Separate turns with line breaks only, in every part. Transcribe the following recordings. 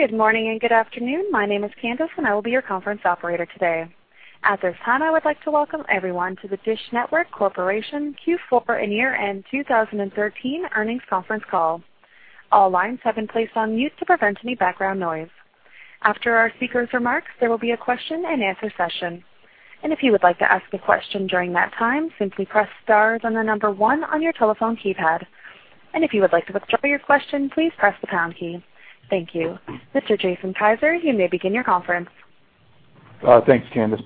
Good morning, and good afternoon. My name is Candace, and I will be your conference operator today. At this time, I would like to welcome everyone to the DISH Network Corporation Q4 and year-end 2013 earnings conference call. All lines have been placed on mute to prevent any background noise. After our speakers' remarks, there will be a question-and-answer session. If you would like to ask a question during that time, simply press star then the number one on your telephone keypad. If you would like to withdraw your question, please press the pound key. Thank you. Mr. Jason Kizer, you may begin your conference.
Thanks, Candace.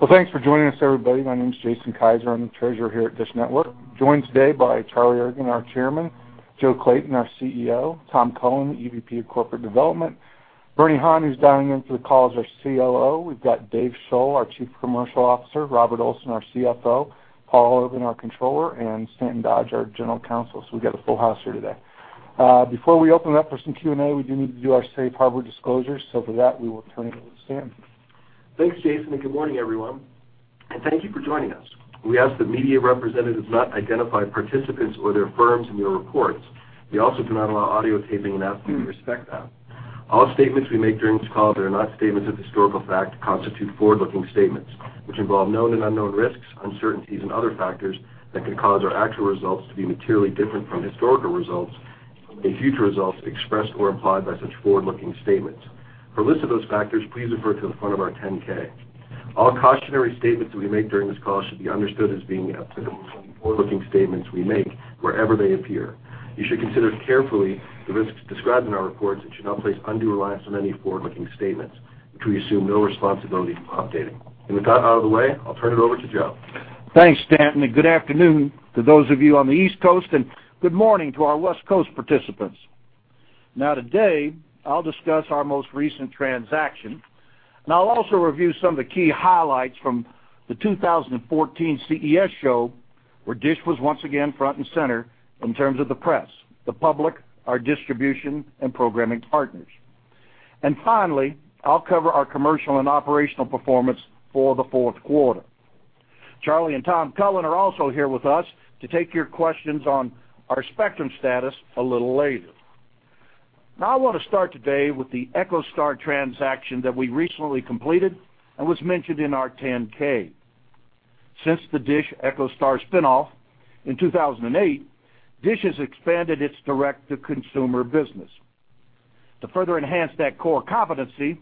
Well, thanks for joining us, everybody. My name is Jason Kizer. I'm the treasurer here at DISH Network. I'm joined today by Charlie Ergen, our chairman, Joe Clayton, our CEO, Tom Cullen, EVP of Corporate Development, Bernard Han, who's dialing into the call as our COO. We've got David Shull, our Chief Commercial Officer, Robert Olson, our CFO, Paul Orban, our Controller, and Stanton Dodge, our General Counsel. We've got a full house here today. Before we open it up for some Q&A, we do need to do our safe harbor disclosures. For that, we will turn it over to Stan.
Thanks, Jason. Good morning, everyone. Thank you for joining us. We ask that media representatives not identify participants or their firms in your reports. We also do not allow audio taping and ask that you respect that. All statements we make during this call that are not statements of historical fact constitute forward-looking statements, which involve known and unknown risks, uncertainties and other factors that could cause our actual results to be materially different from historical results and future results expressed or implied by such forward-looking statements. For a list of those factors, please refer to the front of our 10-K. All cautionary statements that we make during this call should be understood as being applicable to any forward-looking statements we make wherever they appear. You should consider carefully the risks described in our reports and should not place undue reliance on any forward-looking statements, which we assume no responsibility for updating. With that out of the way, I'll turn it over to Joe.
Thanks, Stanton. Good afternoon to those of you on the East Coast, and good morning to our West Coast participants. Today, I'll discuss our most recent transaction, and I'll also review some of the key highlights from the 2014 CES show where DISH was once again front and center in terms of the press, the public, our distribution and programming partners. Finally, I'll cover our commercial and operational performance for the fourth quarter. Charlie and Tom Cullen are also here with us to take your questions on our spectrum status a little later. I wanna start today with the EchoStar transaction that we recently completed and was mentioned in our 10-K. Since the DISH EchoStar spin-off in 2008, DISH has expanded its direct-to-consumer business. To further enhance that core competency,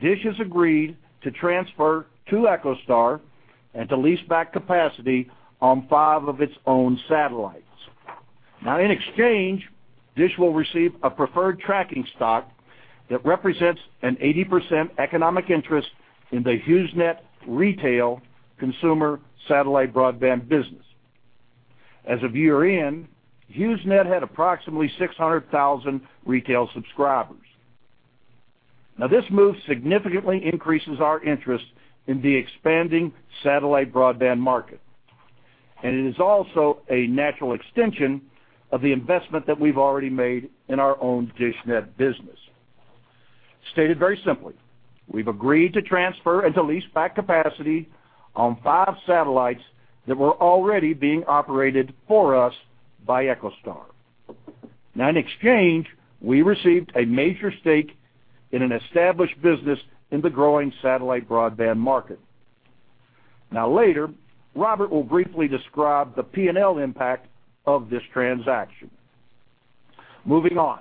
DISH has agreed to transfer to EchoStar and to lease back capacity on five of its own satellites. Now in exchange, DISH will receive a preferred tracking stock that represents an 80% economic interest in the HughesNet retail consumer satellite broadband business. As of year-end, HughesNet had approximately 600,000 retail subscribers. Now, this move significantly increases our interest in the expanding satellite broadband market, and it is also a natural extension of the investment that we've already made in our own dishNET business. Stated very simply, we've agreed to transfer and to lease back capacity on five satellites that were already being operated for us by EchoStar. Now in exchange, we received a major stake in an established business in the growing satellite broadband market. Now later, Robert will briefly describe the P&L impact of this transaction. Moving on.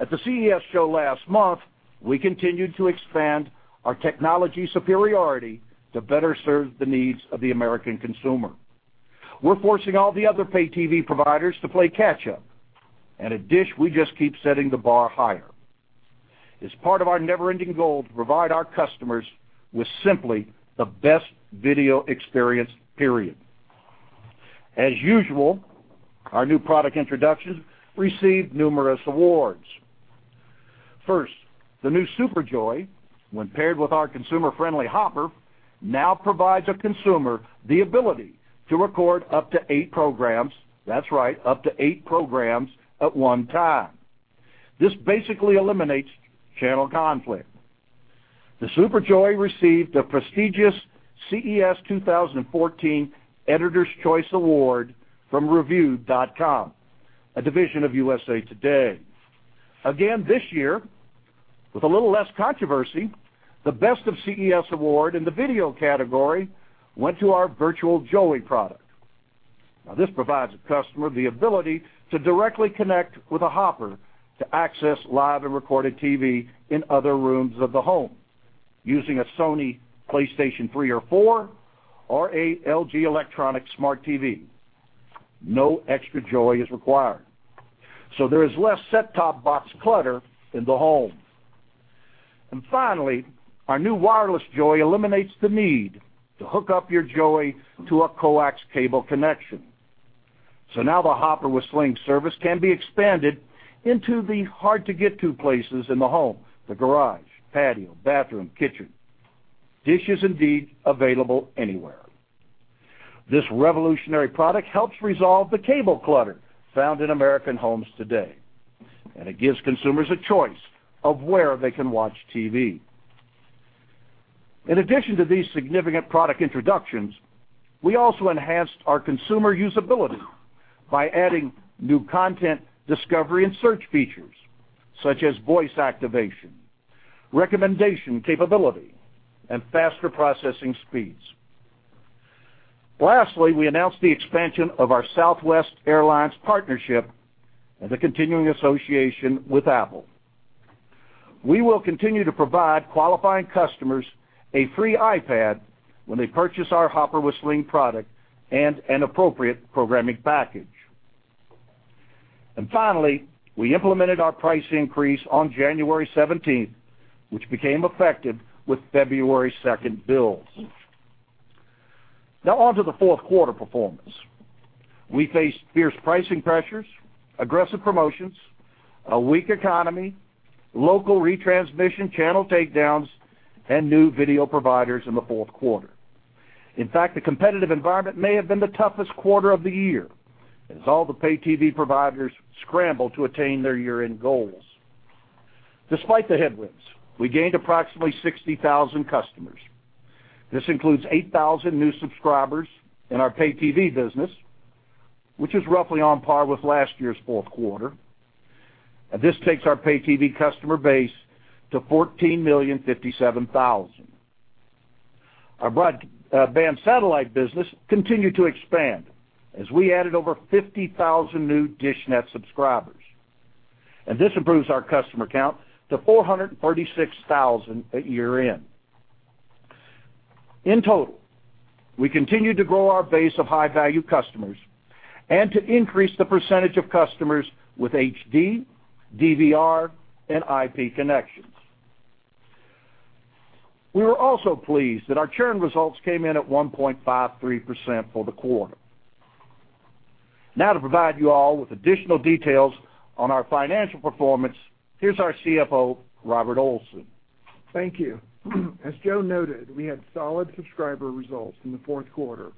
At the CES show last month, we continued to expand our technology superiority to better serve the needs of the American consumer. We're forcing all the other pay TV providers to play catch-up. At Dish, we just keep setting the bar higher. It's part of our never-ending goal to provide our customers with simply the best video experience, period. As usual, our new product introductions received numerous awards. First, the new Super Joey, when paired with our consumer-friendly Hopper, now provides a consumer the ability to record up to eight programs. That's right, up to eight programs at one time. This basically eliminates channel conflict. The Super Joey received the prestigious CES 2014 Editors' Choice Award from Reviewed.com, a division of USA Today. Again, this year, with a little less controversy, the Best of CES award in the video category went to our Virtual Joey product. This provides a customer the ability to directly connect with a Hopper to access live and recorded TV in other rooms of the home using a Sony PlayStation three or four or a LG Electronics smart TV. No extra Joey is required. There is less set-top box clutter in the home. Finally, our new Wireless Joey eliminates the need to hook up your Joey to a coax cable connection. Now the Hopper with Sling service can be expanded into the hard-to-get-to places in the home, the garage, patio, bathroom, kitchen. DISH is indeed available anywhere. This revolutionary product helps resolve the cable clutter found in American homes today, and it gives consumers a choice of where they can watch TV. In addition to these significant product introductions, we also enhanced our consumer usability by adding new content discovery and search features such as voice activation, recommendation capability, and faster processing speeds. Lastly, we announced the expansion of our Southwest Airlines partnership and the continuing association with Apple. We will continue to provide qualifying customers a free iPad when they purchase our Hopper with Sling product and an appropriate programming package. Finally, we implemented our price increase on January 17th, which became effective with February 2nd bills. Now on to the fourth quarter performance. We faced fierce pricing pressures, aggressive promotions, a weak economy, local retransmission channel takedowns, and new video providers in the fourth quarter. In fact, the competitive environment may have been the toughest quarter of the year as all the pay TV providers scrambled to attain their year-end goals. Despite the headwinds, we gained approximately 60,000 customers. This includes 8,000 new subscribers in our pay TV business, which is roughly on par with last year's fourth quarter. This takes our pay TV customer base to 14,057,000. Our broadband satellite business continued to expand as we added over 50,000 new dishNET subscribers, and this improves our customer count to 436,000 at year-end. In total, we continued to grow our base of high-value customers and to increase the percentage of customers with HD, DVR, and IP connections. We were also pleased that our churn results came in at 1.53% for the quarter. To provide you all with additional details on our financial performance, here's our CFO, Robert Olson.
Thank you. As Joe noted, we had solid subscriber results in the fourth quarter.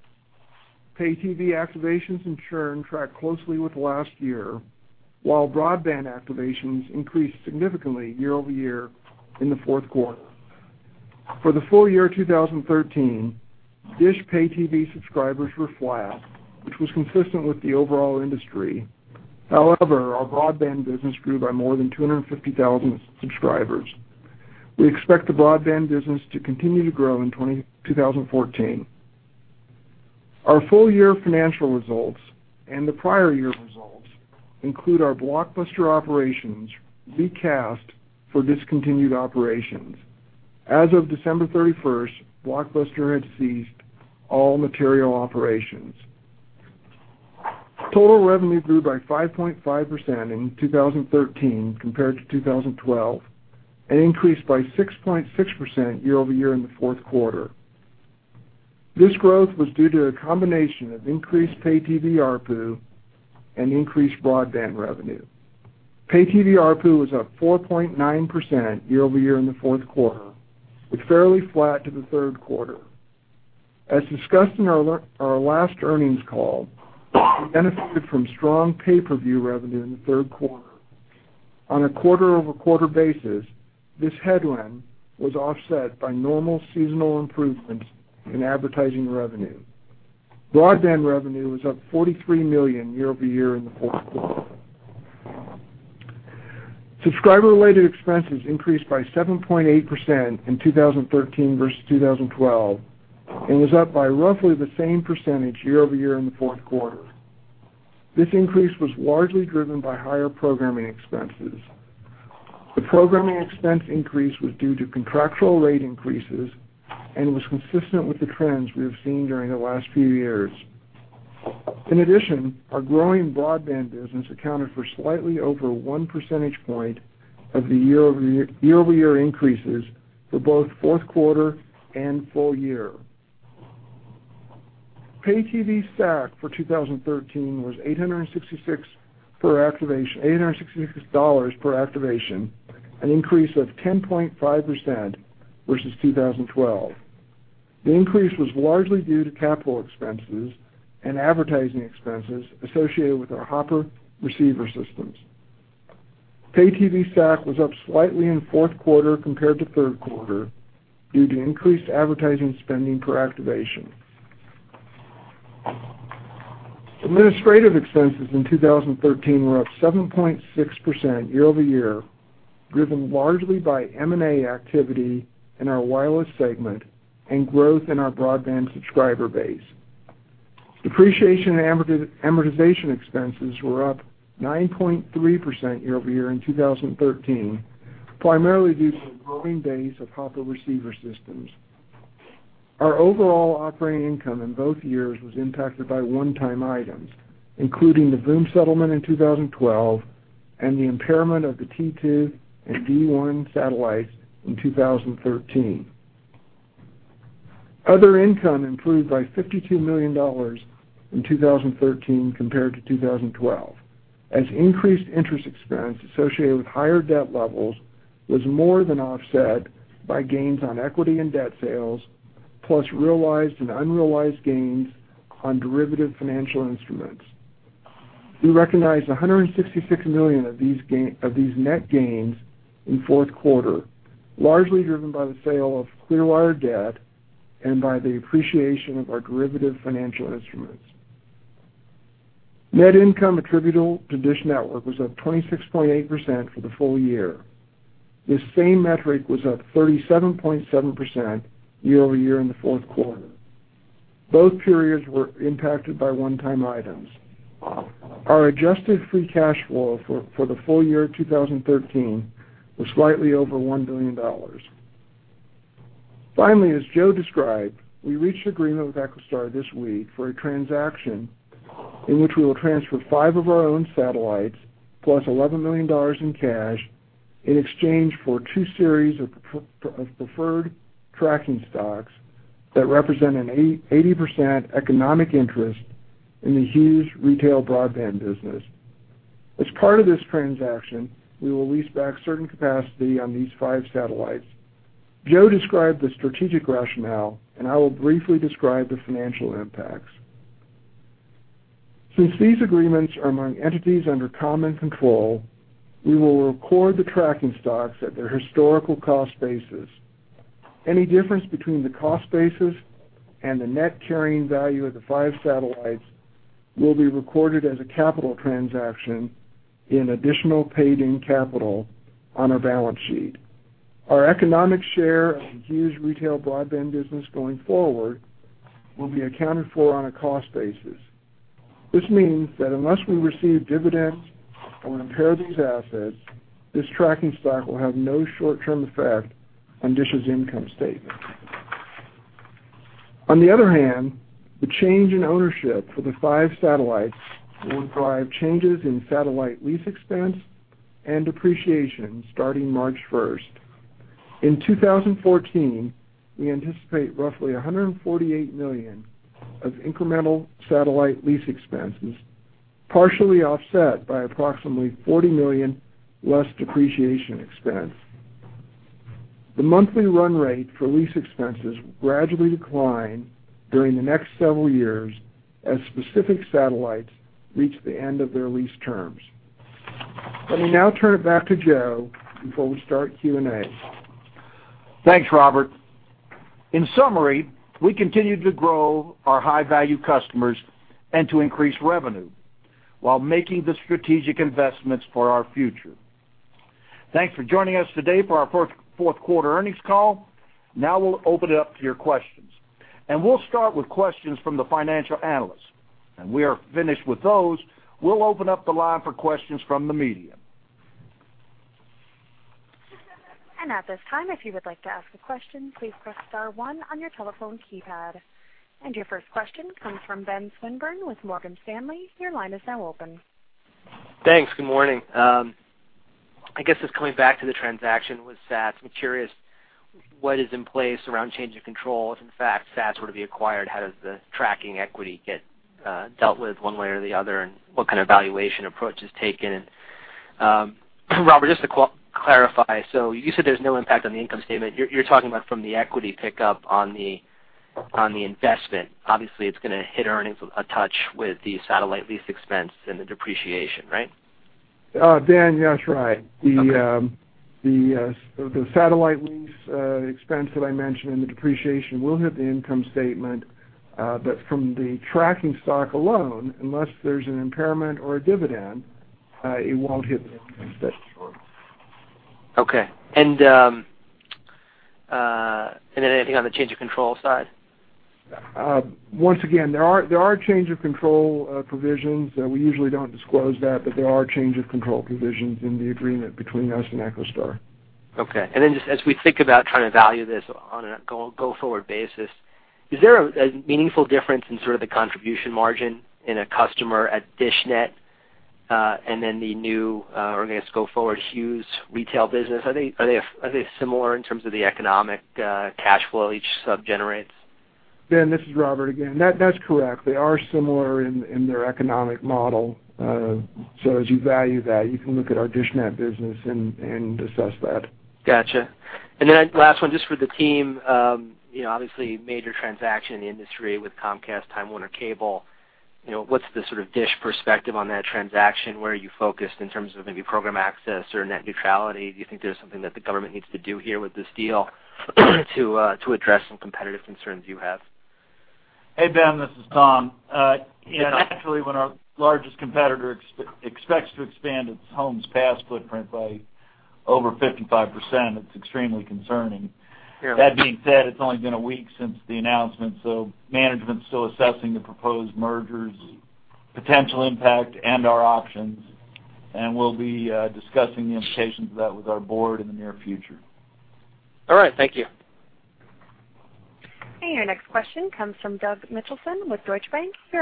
Pay TV activations and churn tracked closely with last year, while broadband activations increased significantly year-over-year in the fourth quarter. For the full year 2013, DISH pay TV subscribers were flat, which was consistent with the overall industry. Our broadband business grew by more than 250,000 subscribers. We expect the broadband business to continue to grow in 2014. Our full year financial results and the prior year results include our Blockbuster operations recast for discontinued operations. As of December 31st, Blockbuster had ceased all material operations. Total revenue grew by 5.5% in 2013 compared to 2012 and increased by 6.6% year-over-year in the fourth quarter. This growth was due to a combination of increased pay TV ARPU and increased broadband revenue. Pay TV ARPU was up 4.9% year-over-year in the fourth quarter, with fairly flat to the third quarter. As discussed in our last earnings call, we benefited from strong pay-per-view revenue in the third quarter. On a quarter-over-quarter basis, this headwind was offset by normal seasonal improvements in advertising revenue. Broadband revenue was up $43 million year-over-year in the fourth quarter. Subscriber-related expenses increased by 7.8% in 2013 versus 2012 and was up by roughly the same percentage year-over-year in the fourth quarter. This increase was largely driven by higher programming expenses. The programming expense increase was due to contractual rate increases and was consistent with the trends we have seen during the last few years. In addition, our growing broadband business accounted for slightly over one percentage point of the year-over-year increases for both fourth quarter and full year. Pay TV SAC for 2013 was $866 per activation, an increase of 10.5% versus 2012. The increase was largely due to capital expenses and advertising expenses associated with our Hopper receiver systems. Pay TV SAC was up slightly in fourth quarter compared to third quarter due to increased advertising spending per activation. Administrative expenses in 2013 were up 7.6% year-over-year, driven largely by M&A activity in our wireless segment and growth in our broadband subscriber base. Depreciation and amortization expenses were up 9.3% year-over-year in 2013, primarily due to a growing base of Hopper receiver systems. Our overall operating income in both years was impacted by one-time items, including the Voom settlement in 2012 and the impairment of the T2 and D1 satellites in 2013. Other income improved by $52 million in 2013 compared to 2012 as increased interest expense associated with higher debt levels was more than offset by gains on equity and debt sales, plus realized and unrealized gains on derivative financial instruments. We recognized $166 million of these net gains in fourth quarter, largely driven by the sale of Clearwire debt and by the appreciation of our derivative financial instruments. Net income attributable to DISH Network was up 26.8% for the full year. This same metric was up 37.7% year-over-year in the fourth quarter. Both periods were impacted by one-time items. Our adjusted free cash flow for the full year 2013 was slightly over $1 billion. Finally, as Joe described, we reached agreement with EchoStar this week for a transaction in which we will transfer five of our own satellites, plus $11 million in cash in exchange for two series of preferred tracking stocks that represent an 80% economic interest in the Hughes retail broadband business. As part of this transaction, we will lease back certain capacity on these five satellites. Joe described the strategic rationale, and I will briefly describe the financial impacts. Since these agreements are among entities under common control, we will record the tracking stocks at their historical cost basis. Any difference between the cost basis and the net carrying value of the five satellites will be recorded as a capital transaction in additional paid-in capital on our balance sheet. Our economic share of the Hughes retail broadband business going forward will be accounted for on a cost basis. This means that unless we receive dividends or impair these assets, this tracking stock will have no short-term effect on DISH's income statement. On the other hand, the change in ownership for the five satellites will drive changes in satellite lease expense and depreciation starting March first. In 2014, we anticipate roughly $148 million of incremental satellite lease expenses, partially offset by approximately $40 million less depreciation expense. The monthly run rate for lease expenses will gradually decline during the next several years as specific satellites reach the end of their lease terms. Let me now turn it back to Joe before we start Q&A.
Thanks, Robert. In summary, we continued to grow our high-value customers and to increase revenue while making the strategic investments for our future. Thanks for joining us today for our fourth quarter earnings call. Now we'll open it up to your questions. We'll start with questions from the financial analysts. We are finished with those, we'll open up the line for questions from the media.
Your first question comes from Benjamin Swinburne with Morgan Stanley.
Thanks. Good morning. I guess just coming back to the transaction with EchoStar. I'm curious what is in place around change in control if in fact EchoStar were to be acquired, how does the tracking equity get dealt with one way or the other, and what kind of valuation approach is taken? Robert, just to clarify, you said there's no impact on the income statement. You're talking about from the equity pickup on the investment. Obviously, it's gonna hit earnings a touch with the satellite lease expense and the depreciation, right?
Ben, that's right.
Okay.
The satellite lease expense that I mentioned and the depreciation will hit the income statement. From the tracking stock alone, unless there's an impairment or a dividend, it won't hit the income statement.
Okay. And anything on the change of control side?
Once again, there are change of control provisions. We usually don't disclose that, but there are change of control provisions in the agreement between us and EchoStar.
Okay. Just as we think about trying to value this on a go-forward basis, is there a meaningful difference in sort of the contribution margin in a customer at dishNET, and then the new, or I guess, go forward Hughes retail business? Are they similar in terms of the economic cash flow each sub generates?
Ben, this is Robert again. That's correct. They are similar in their economic model. As you value that, you can look at our dishNET business and assess that.
Gotcha. Last one, just for the team, you know, obviously major transaction in the industry with Comcast, Time Warner Cable. You know, what's the sort of DISH perspective on that transaction? Where are you focused in terms of maybe program access or net neutrality? Do you think there's something that the government needs to do here with this deal to address some competitive concerns you have?
Hey, Benjamin, this is Tom. Yeah, naturally, when our largest competitor expects to expand its homes pass footprint by over 55%, it's extremely concerning.
Sure.
That being said, it's only been a week since the announcement, so management's still assessing the proposed merger's potential impact and our options, and we'll be discussing the implications of that with our board in the near future.
All right. Thank you.
Your next question comes from Doug Mitchelson with Deutsche Bank.
Two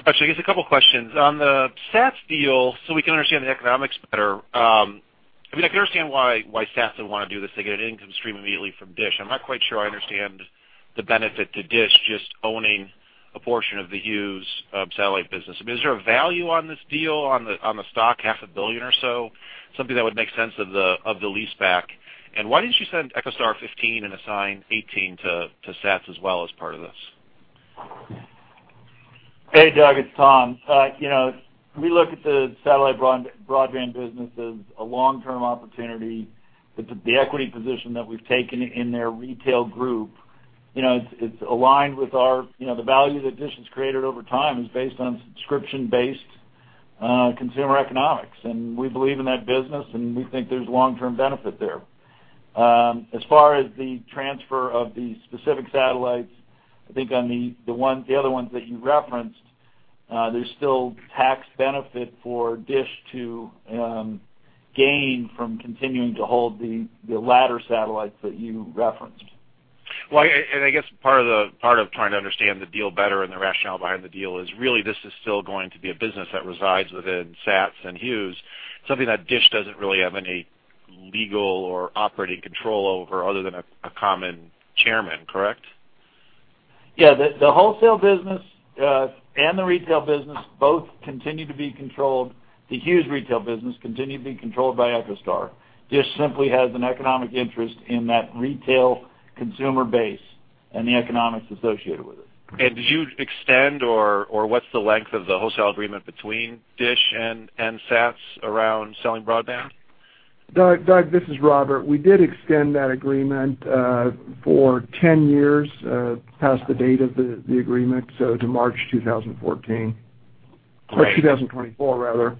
questions. I guess a couple questions. On the EchoStar deal, so we can understand the economics better, I mean, I can understand why EchoStar would wanna do this. They get an income stream immediately from DISH. I'm not quite sure I understand the benefit to DISH just owning a portion of the Hughes satellite business. I mean, is there a value on this deal on the, on the stock, half a billion or so? Something that would make sense of the, of the lease back? Why didn't you send EchoStar XV and assign XVIII to EchoStar as well as part of this?
Hey, Doug, it's Tom. You know, we look at the satellite broadband business as a long-term opportunity. The equity position that we've taken in their retail group, you know, it's aligned with our, you know, the value that DISH has created over time is based on subscription-based consumer economics. We believe in that business, and we think there's long-term benefit there. As far as the transfer of the specific satellites, I think on the other ones that you referenced, there's still tax benefit for DISH to gain from continuing to hold the latter satellites that you referenced.
Well, I guess part of trying to understand the deal better and the rationale behind the deal is really this is still going to be a business that resides within EchoStar and Hughes, something that Dish doesn't really have any legal or operating control over other than a common chairman, correct?
The wholesale business and the retail business both continue to be controlled. The Hughes retail business continue to be controlled by EchoStar. DISH simply has an economic interest in that retail consumer base and the economics associated with it.
Did you extend, or what's the length of the wholesale agreement between Dish and SATs around selling broadband?
Doug, this is Robert. We did extend that agreement, for 10 years, past the date of the agreement, so to March 2014.
Great.
2024, rather.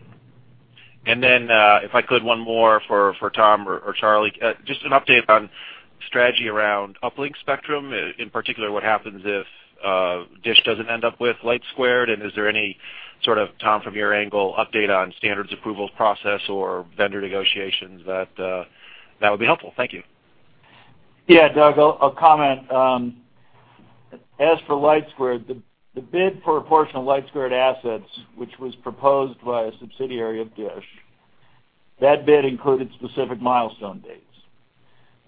Then, if I could, one more for Tom or Charlie. Just an update on strategy around uplink spectrum. In particular, what happens if DISH doesn't end up with LightSquared? Is there any sort of, Tom, from your angle, update on standards approvals process or vendor negotiations? That would be helpful. Thank you.
Yeah, Doug, I'll comment. As for LightSquared, the bid for a portion of LightSquared assets, which was proposed by a subsidiary of Dish, that bid included specific milestone dates.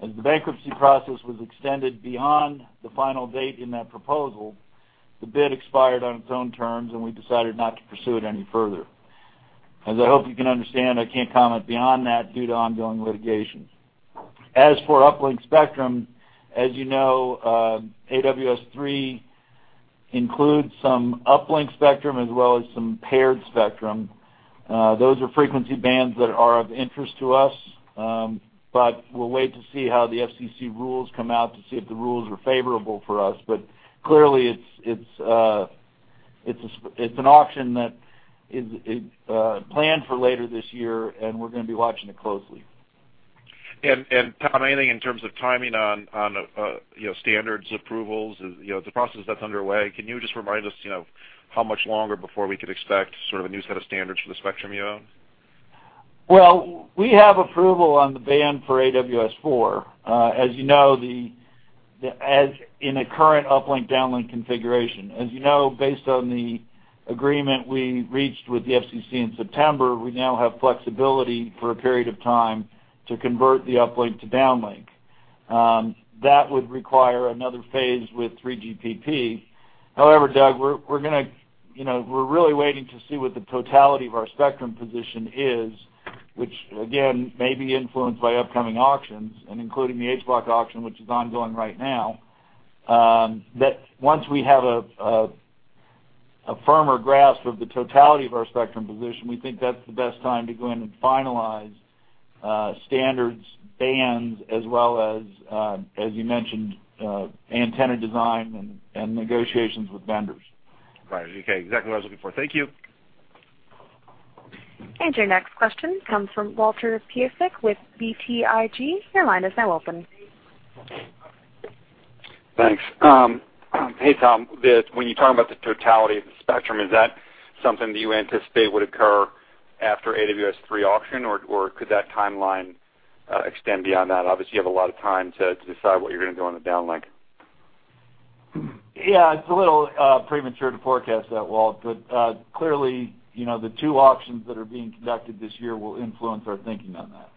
As the bankruptcy process was extended beyond the final date in that proposal, the bid expired on its own terms, we decided not to pursue it any further. As I hope you can understand, I can't comment beyond that due to ongoing litigation. As for uplink spectrum, as you know, AWS3 includes some uplink spectrum as well as some paired spectrum. Those are frequency bands that are of interest to us, we'll wait to see how the FCC rules come out to see if the rules are favorable for us. Clearly it's an auction that is planned for later this year, and we're gonna be watching it closely.
Tom, anything in terms of timing on, you know, standards approvals? You know, the process that's underway, can you just remind us, you know, how much longer before we could expect sort of a new set of standards for the spectrum you own?
Well, we have approval on the band for AWS4. As you know, as in a current uplink/downlink configuration. As you know, based on the agreement we reached with the FCC in September, we now have flexibility for a period of time to convert the uplink to downlink. That would require another phase with 3GPP. Doug, we're gonna, you know, we're really waiting to see what the totality of our spectrum position is, which again, may be influenced by upcoming auctions and including the H Block auction, which is ongoing right now. That once we have a firmer grasp of the totality of our spectrum position, we think that's the best time to go in and finalize standards, bands as well as you mentioned, antenna design and negotiations with vendors.
Got it. Okay. Exactly what I was looking for. Thank you.
Your next question comes from Walter Piecyk with BTIG. Your line is now open.
Thanks. Hey, Tom, when you talk about the totality of the spectrum, is that something that you anticipate would occur after AWS3 auction, or could that timeline extend beyond that? Obviously, you have a lot of time to decide what you're gonna do on the downlink.
Yeah. It's a little premature to forecast that, Walt, but clearly, you know, the 2 auctions that are being conducted this year will influence our thinking on that.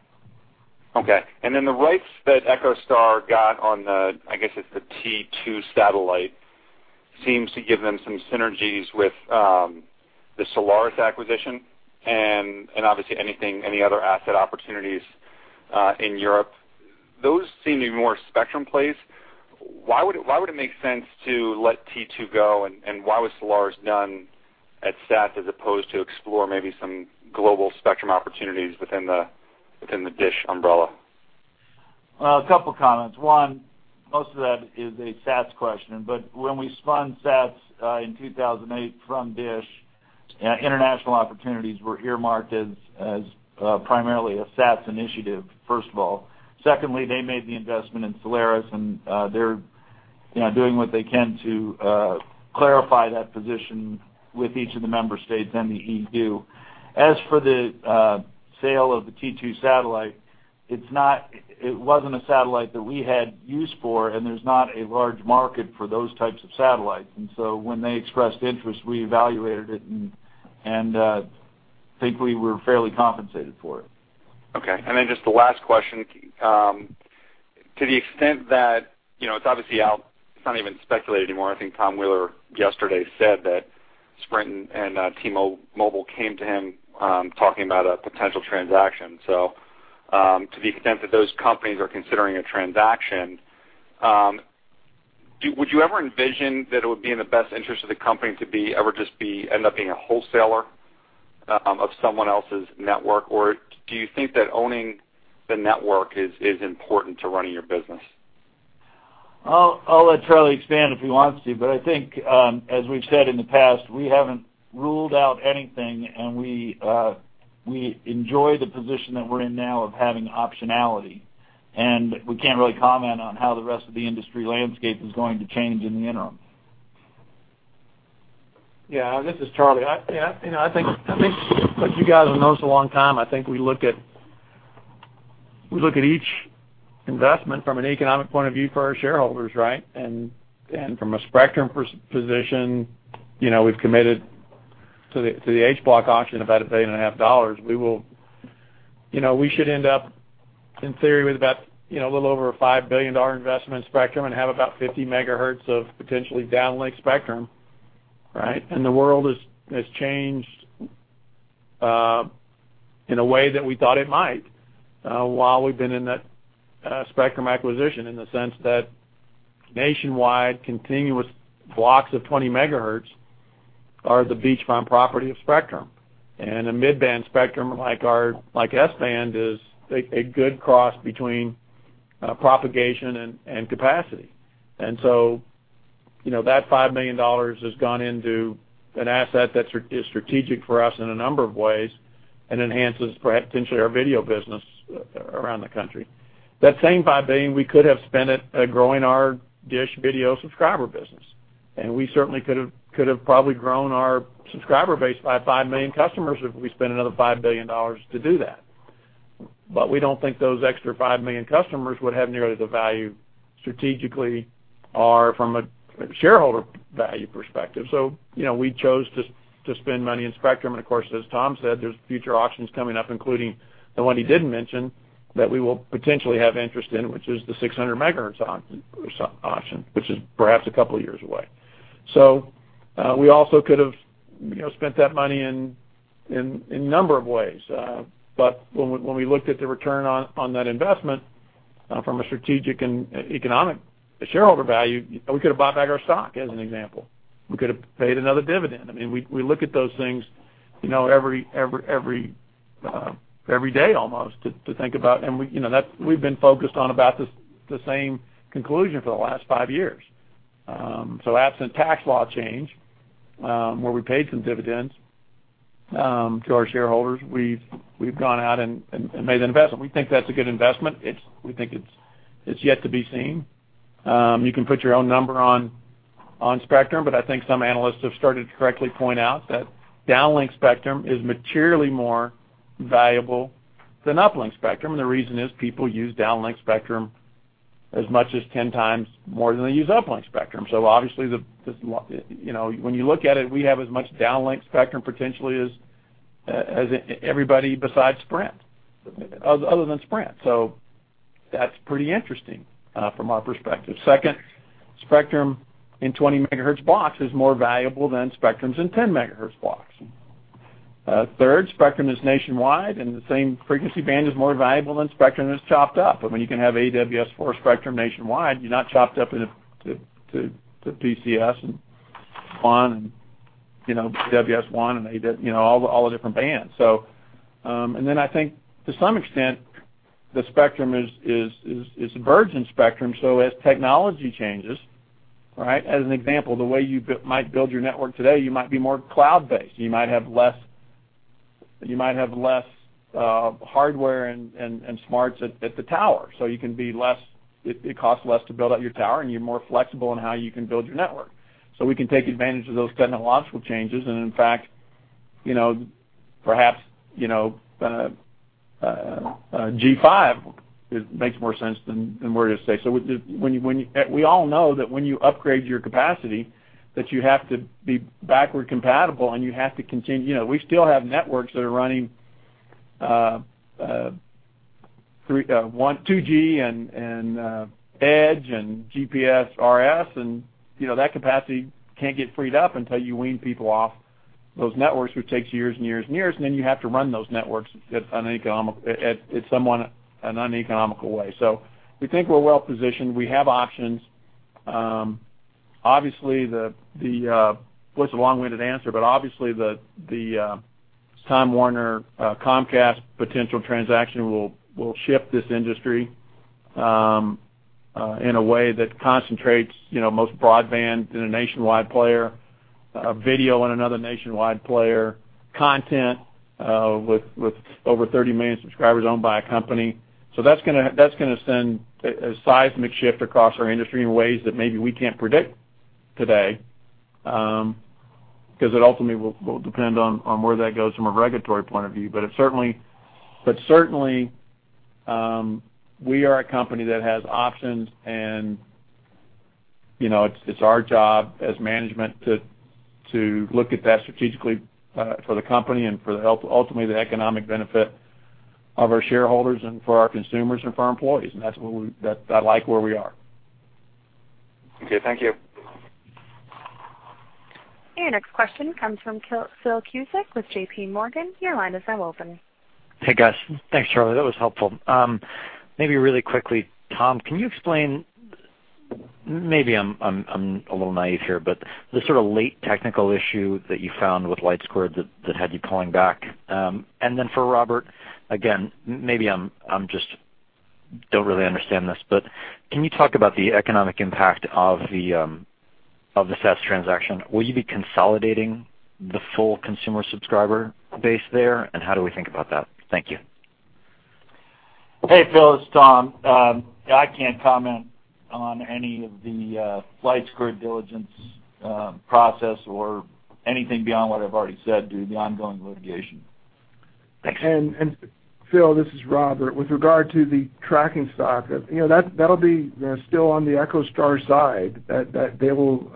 Okay. Then the rights that EchoStar got on the, I guess, it's the T2 satellite, seems to give them some synergies with the Solaris acquisition and obviously anything, any other asset opportunities in Europe. Those seem to be more spectrum plays. Why would it make sense to let T2 go, and why was Solaris done at S-band as opposed to explore maybe some global spectrum opportunities within the DISH umbrella?
Well, a couple comments. One, most of that is a EchoStar question. When we spun EchoStar in 2008 from DISH, international opportunities were earmarked as primarily a EchoStar initiative, first of all. Secondly, they made the investment in Solaris and, you know, doing what they can to clarify that position with each of the member states and the EU. As for the sale of the T2 satellite, it wasn't a satellite that we had use for, and there's not a large market for those types of satellites. When they expressed interest, we evaluated it and think we were fairly compensated for it.
Okay. Just the last question, to the extent that, you know, it's obviously out, it's not even speculated anymore. I think Tom Wheeler yesterday said that Sprint and T-Mobile came to him, talking about a potential transaction. Would you ever envision that it would be in the best interest of the company to end up being a wholesaler of someone else's network? Or do you think that owning the network is important to running your business?
I'll let Charlie expand if he wants to, but I think, as we've said in the past, we haven't ruled out anything, and we enjoy the position that we're in now of having optionality. We can't really comment on how the rest of the industry landscape is going to change in the interim.
Yeah. This is Charlie. You know, I think like you guys have noticed a long time, I think we look at each investment from an economic point of view for our shareholders, right? From a spectrum position, you know, we've committed to the H Block auction about a billion and a half dollars. You know, we should end up, in theory, with about, you know, a little over a $5 billion investment in spectrum and have about 50 megahertz of potentially downlink spectrum, right? The world has changed in a way that we thought it might while we've been in that spectrum acquisition, in the sense that nationwide continuous blocks of 20 megahertz are the beachfront property of spectrum. A mid-band spectrum like S-band is a good cross between propagation and capacity. You know, that $5 million has gone into an asset that is strategic for us in a number of ways and enhances perhaps potentially our video business around the country. That same $5 billion, we could have spent it growing our DISH Video subscriber business, and we certainly could have probably grown our subscriber base by five million customers if we spent another $5 billion to do that. We don't think those extra five million customers would have nearly the value strategically or from a shareholder value perspective. You know, we chose to spend money in spectrum. Of course, as Tom said, there's future auctions coming up, including the one he didn't mention, that we will potentially have interest in, which is the 600 megahertz auction, which is perhaps a couple of years away. We also could have, you know, spent that money in a number of ways. When we looked at the return on that investment, from a strategic and economic shareholder value, we could have bought back our stock, as an example. We could have paid another dividend. I mean, we look at those things, you know, every day almost to think about. We, you know, we've been focused on about the same conclusion for the last five years. Absent tax law change, where we paid some dividends to our shareholders, we've gone out and made an investment. We think that's a good investment. We think it's yet to be seen. You can put your own number on spectrum, but I think some analysts have started to correctly point out that downlink spectrum is materially more valuable than uplink spectrum. The reason is people use downlink spectrum as much as 10 times more than they use uplink spectrum. Obviously, the, you know, when you look at it, we have as much downlink spectrum potentially as everybody besides Sprint, other than Sprint. That's pretty interesting from our perspective. Second, spectrum in 20 megahertz blocks is more valuable than spectrums in 10 megahertz blocks. Third, spectrum is nationwide, and the same frequency band is more valuable than spectrum that's chopped up. I mean, you can have AWS4 spectrum nationwide. You're not chopped up into PCS and one and, you know, AWS 1 and, you know, all the different bands. Then I think to some extent, the spectrum is a virgin spectrum, so as technology changes, right? As an example, the way you might build your network today, you might be more cloud-based. You might have less hardware and smarts at the tower, so you can be less. It costs less to build out your tower, and you're more flexible in how you can build your network. We can take advantage of those technological changes. In fact, you know, perhaps, you know, 5G makes more sense than we're going to say. When you, we all know that when you upgrade your capacity, that you have to be backward compatible and you have to continue. You know, we still have networks that are running 3G, 1G, 2G and EDGE and GPRS, and, you know, that capacity can't get freed up until you wean people off those networks, which takes years and years and years, and then you have to run those networks at somewhat an uneconomical way. We think we're well positioned. We have options. Obviously, the Time Warner Comcast potential transaction will shift this industry in a way that concentrates, you know, most broadband in a nationwide player, video on another nationwide player, content with over 30 million subscribers owned by a company. That's gonna send a seismic shift across our industry in ways that maybe we can't predict today because it ultimately will depend on where that goes from a regulatory point of view. It certainly. Certainly, we are a company that has options. You know, it's our job as management to look at that strategically for the company and for the ultimately the economic benefit of our shareholders and for our consumers and for our employees. That's where I like where we are.
Okay. Thank you.
Your next question comes from Philip Cusick with J.P. Morgan. Your line is now open.
Hey, guys. Thanks, Charlie. That was helpful. Maybe really quickly, Tom, can you explain Maybe I'm a little naive here, but the sort of late technical issue that you found with LightSquared that had you pulling back. And then for Robert, again, maybe I'm just don't really understand this, but can you talk about the economic impact of the EchoStar transaction? Will you be consolidating the full consumer subscriber base there? How do we think about that? Thank you.
Hey, Phil, it's Tom. I can't comment on any of the LightSquared diligence process or anything beyond what I've already said due to the ongoing litigation.
Thanks.
Phil, this is Robert. With regard to the tracking stock, you know, that'll be, you know, still on the EchoStar side. They will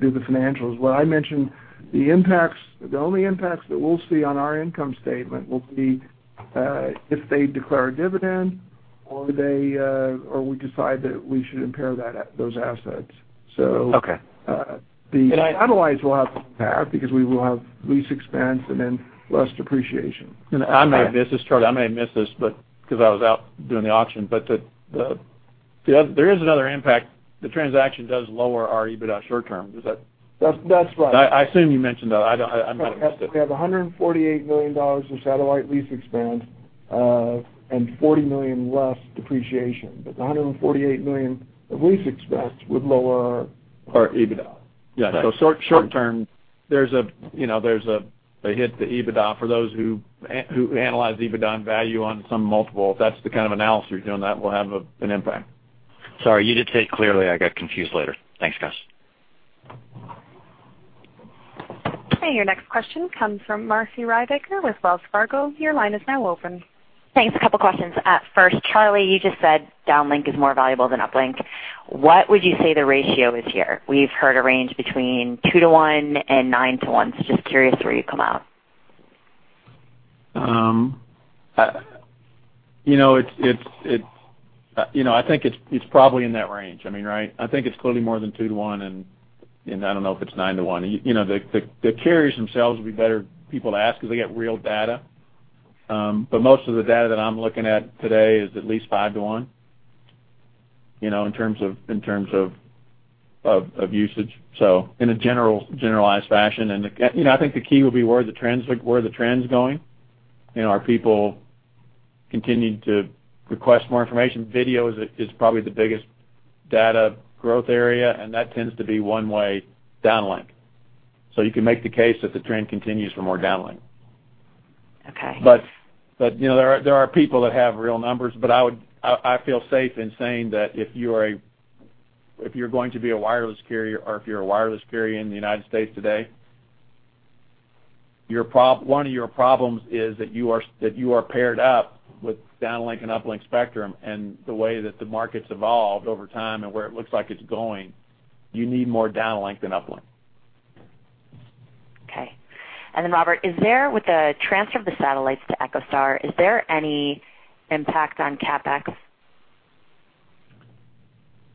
do the financials. What I mentioned, the impacts, the only impacts that we'll see on our income statement will be, if they declare a dividend or they, or we decide that we should impair those assets.
Okay.
the-
And I-
will have an impact because we will have lease expense and then less depreciation.
I might have missed this. Charlie, I may have missed this, but because I was out doing the auction. There is another impact. The transaction does lower our EBITDA short term.
That's right.
I assume you mentioned that. I don't. I missed it.
We have $148 million in satellite lease expense, and $40 million less depreciation. The $148 million of lease expense would lower our EBITDA.
Yeah. short term, there's a, you know, there's a hit to EBITDA for those who analyze EBITDA and value on some multiple. If that's the kind of analysis you're doing, that will have an impact.
Sorry, you did say it clearly. I got confused later. Thanks, guys.
Your next question comes from Marci Ryvicker with Wells Fargo. Your line is now open.
Thanks. A couple questions. First, Charlie, you just said downlink is more valuable than uplink. What would you say the ratio is here? We've heard a range between two to one and nine to one, so just curious where you come out.
You know, it's, you know, I think it's probably in that range. I mean, right? I think it's clearly more than two to one and I don't know if it's nine to one. You know, the carriers themselves would be better people to ask because they get real data. But most of the data that I'm looking at today is at least five to one, you know, in terms of usage, so in a general, generalized fashion. You know, I think the key will be where the trend's going. You know, are people continuing to request more information? Video is probably the biggest data growth area, and that tends to be one-way downlink. You can make the case that the trend continues for more downlink.
Okay.
You know, there are, there are people that have real numbers. I would I feel safe in saying that if you're going to be a wireless carrier or if you're a wireless carrier in the United States today, one of your problems is that you are paired up with downlink and uplink spectrum. The way that the market's evolved over time and where it looks like it's going, you need more downlink than uplink.
Okay. Robert, is there, with the transfer of the satellites to EchoStar, is there any impact on CapEx?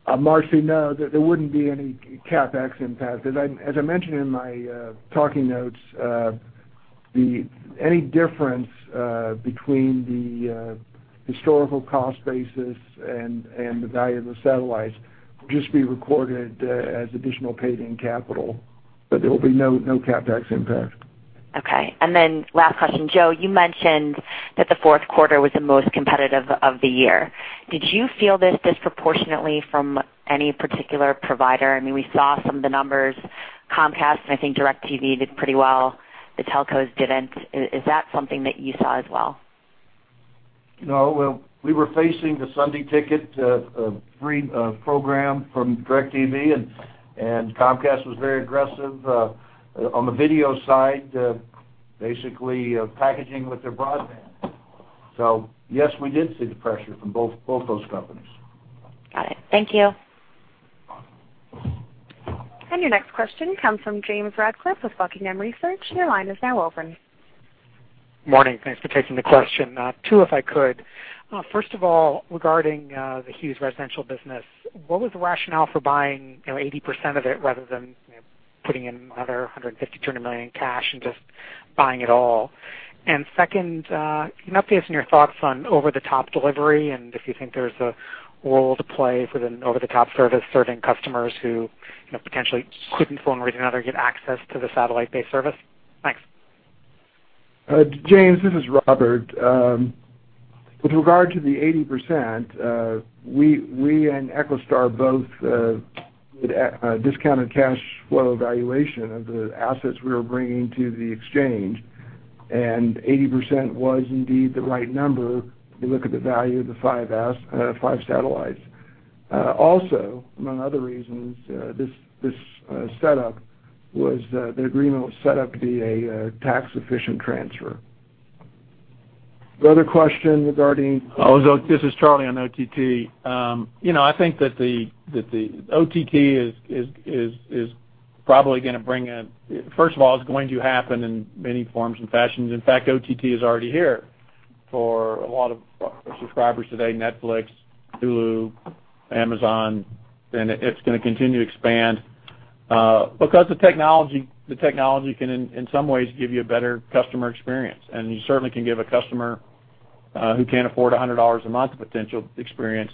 Marci, no, there wouldn't be any CapEx impact. As I mentioned in my talking notes, any difference between the historical cost basis and the value of the satellites will just be recorded as additional paid-in capital, but there will be no CapEx impact.
Okay. Last question. Joe, you mentioned that the fourth quarter was the most competitive of the year. Did you feel this disproportionately from any particular provider? I mean, we saw some of the numbers. Comcast and I think DirecTV did pretty well. The telcos didn't. Is that something that you saw as well?
No. Well, we were facing the Sunday Ticket, free, program from DirecTV. Comcast was very aggressive, on the video side, basically, packaging with their broadband. Yes, we did see the pressure from both those companies.
Got it. Thank you.
Your next question comes from James Ratcliffe with Buckingham Research. Your line is now open.
Morning. Thanks for taking the question. Two, if I could. First of all, regarding the Hughes residential business, what was the rationale for buying, you know, 80% of it rather than, you know, putting in another $20 million cash and just buying it all? Second, can you update us on your thoughts on over-the-top delivery and if you think there's a role to play for the over-the-top service serving customers who, you know, potentially couldn't, for one reason or another, get access to the satellite-based service? Thanks.
James, this is Robert. With regard to the 80%, we and EchoStar both did a discounted cash flow valuation of the assets we were bringing to the exchange, and 80% was indeed the right number if you look at the value of the five satellites. Also, among other reasons, this setup was, the agreement was set up to be a tax-efficient transfer. The other question regarding-
This is Charlie on OTT. you know, I think that the OTT is probably gonna bring First of all, it's going to happen in many forms and fashions. In fact, OTT is already here for a lot of subscribers today, Netflix, Hulu, Amazon, and it's gonna continue to expand because the technology can in some ways give you a better customer experience. You certainly can give a customer who can't afford $100 a month potential experience.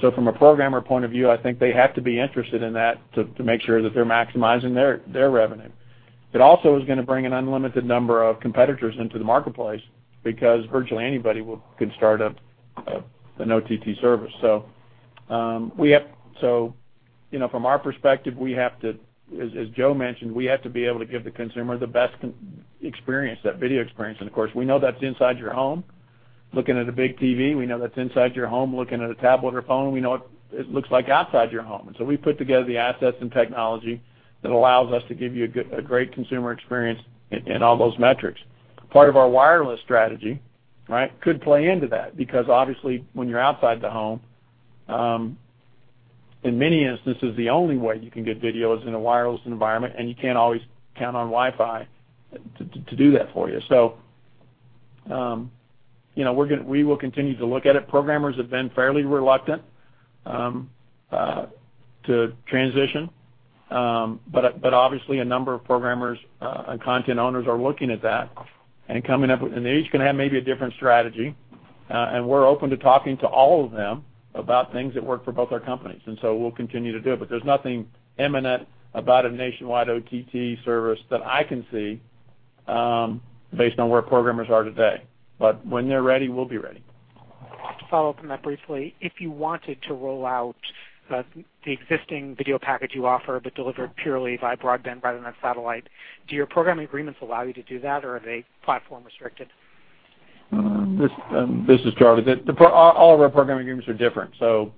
From a programmer point of view, I think they have to be interested in that to make sure that they're maximizing their revenue. It also is gonna bring an unlimited number of competitors into the marketplace because virtually anybody can start up an OTT service. We have So, you know, from our perspective, we have to, as Joe mentioned, we have to be able to give the consumer the best experience, that video experience and of course. We know that's inside your home looking at a big TV. We know that's inside your home looking at a tablet or phone. We know what it looks like outside your home. We put together the assets and technology that allows us to give you a great consumer experience in all those metrics. Part of our wireless strategy, right? Could play into that because obviously when you're outside the home, in many instances the only way you can get video is in a wireless environment and you can't always count on Wi-Fi to do that for you. You know, we will continue to look at it. Programmers have been fairly reluctant to transition. Obviously a number of programmers and content owners are looking at that and coming up with. They each can have maybe a different strategy, and we're open to talking to all of them about things that work for both our companies, we'll continue to do it. There's nothing imminent about a nationwide OTT service that I can see, based on where programmers are today. When they're ready, we'll be ready.
To follow up on that briefly, if you wanted to roll out the existing video package you offer, but delivered purely by broadband rather than satellite, do your programming agreements allow you to do that or are they platform restricted?
This is Charlie. The programming agreements are different, so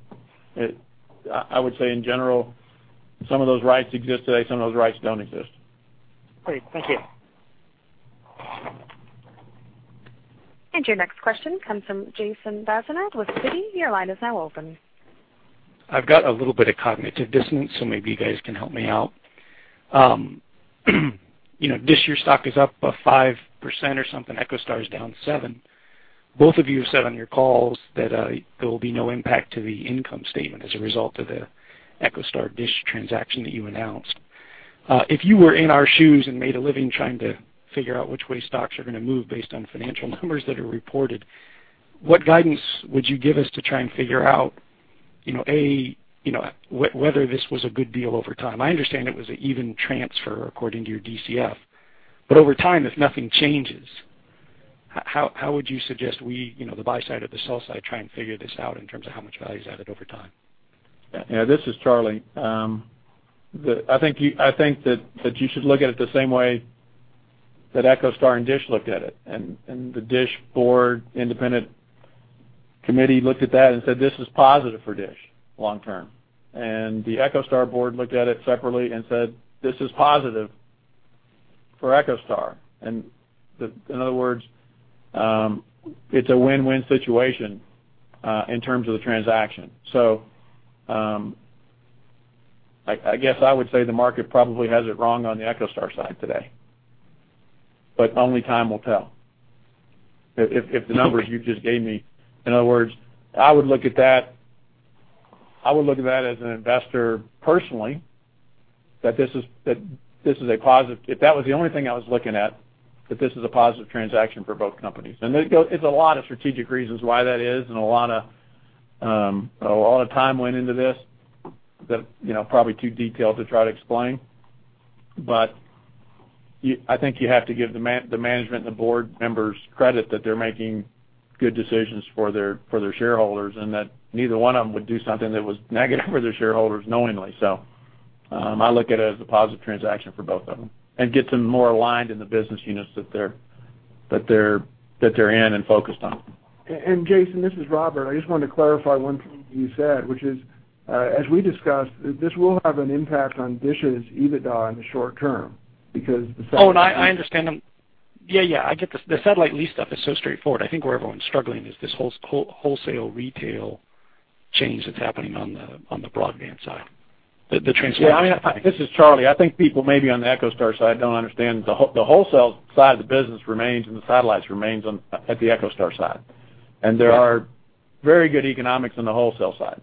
I would say in general, some of those rights exist today, some of those rights don't exist.
Great. Thank you.
Your next question comes from Jason Bazinet with Citi. Your line is now open.
I've got a little bit of cognitive dissonance, so maybe you guys can help me out. You know, Dish, your stock is up by 5% or something. EchoStar is down 7%. Both of you have said on your calls that there will be no impact to the income statement as a result of the EchoStar Dish transaction that you announced. If you were in our shoes and made a living trying to figure out which way stocks are gonna move based on financial numbers that are reported, what guidance would you give us to try and figure out, you know, A, you know, whether this was a good deal over time? I understand it was an even transfer according to your DCF. Over time, if nothing changes, how would you suggest we, you know, the buy side or the sell side, try and figure this out in terms of how much value is added over time?
Yeah, this is Charlie. I think that you should look at it the same way that EchoStar and Dish looked at it. The Dish board independent committee looked at that and said, "This is positive for Dish long term." The EchoStar board looked at it separately and said, "This is positive for EchoStar." In other words, it's a win-win situation in terms of the transaction. I guess I would say the market probably has it wrong on the EchoStar side today, but only time will tell. If the numbers you just gave me. In other words, I would look at that as an investor personally, that this is a positive. If that was the only thing I was looking at, that this is a positive transaction for both companies. It's a lot of strategic reasons why that is and a lot of, a lot of time went into this that, you know, probably too detailed to try to explain. I think you have to give the management and the board members credit that they're making good decisions for their shareholders, and that neither one of them would do something that was negative for their shareholders knowingly. I look at it as a positive transaction for both of them and gets them more aligned in the business units that they're in and focused on.
Jason, this is Robert. I just wanted to clarify one thing you said, which is, as we discussed, this will have an impact on DISH's EBITDA in the short term because the satellite-
I understand. Yeah, yeah, I get this. The satellite lease stuff is so straightforward. I think where everyone's struggling is this wholesale retail change that's happening on the, on the broadband side. The transformation-
Yeah, I mean. This is Charlie. I think people maybe on the EchoStar side don't understand the wholesale side of the business remains and the satellites remains on, at the EchoStar side. There are very good economics on the wholesale side.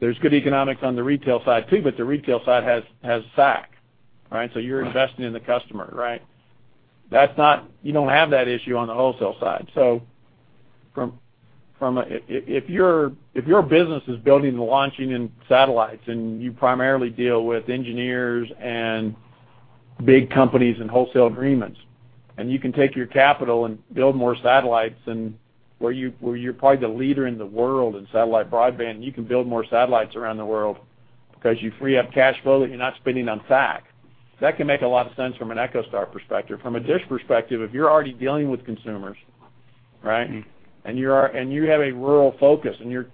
There's good economics on the retail side too, but the retail side has SAC, right? You're investing in the customer, right? You don't have that issue on the wholesale side. From a if your business is building and launching in satellites and you primarily deal with engineers and big companies and wholesale agreements, and you can take your capital and build more satellites and where you're probably the leader in the world in satellite broadband, and you can build more satellites around the world because you free up cash flow that you're not spending on SAC, that can make a lot of sense from an EchoStar perspective. From a DISH perspective, if you're already dealing with consumers, right? You have a rural focus, and your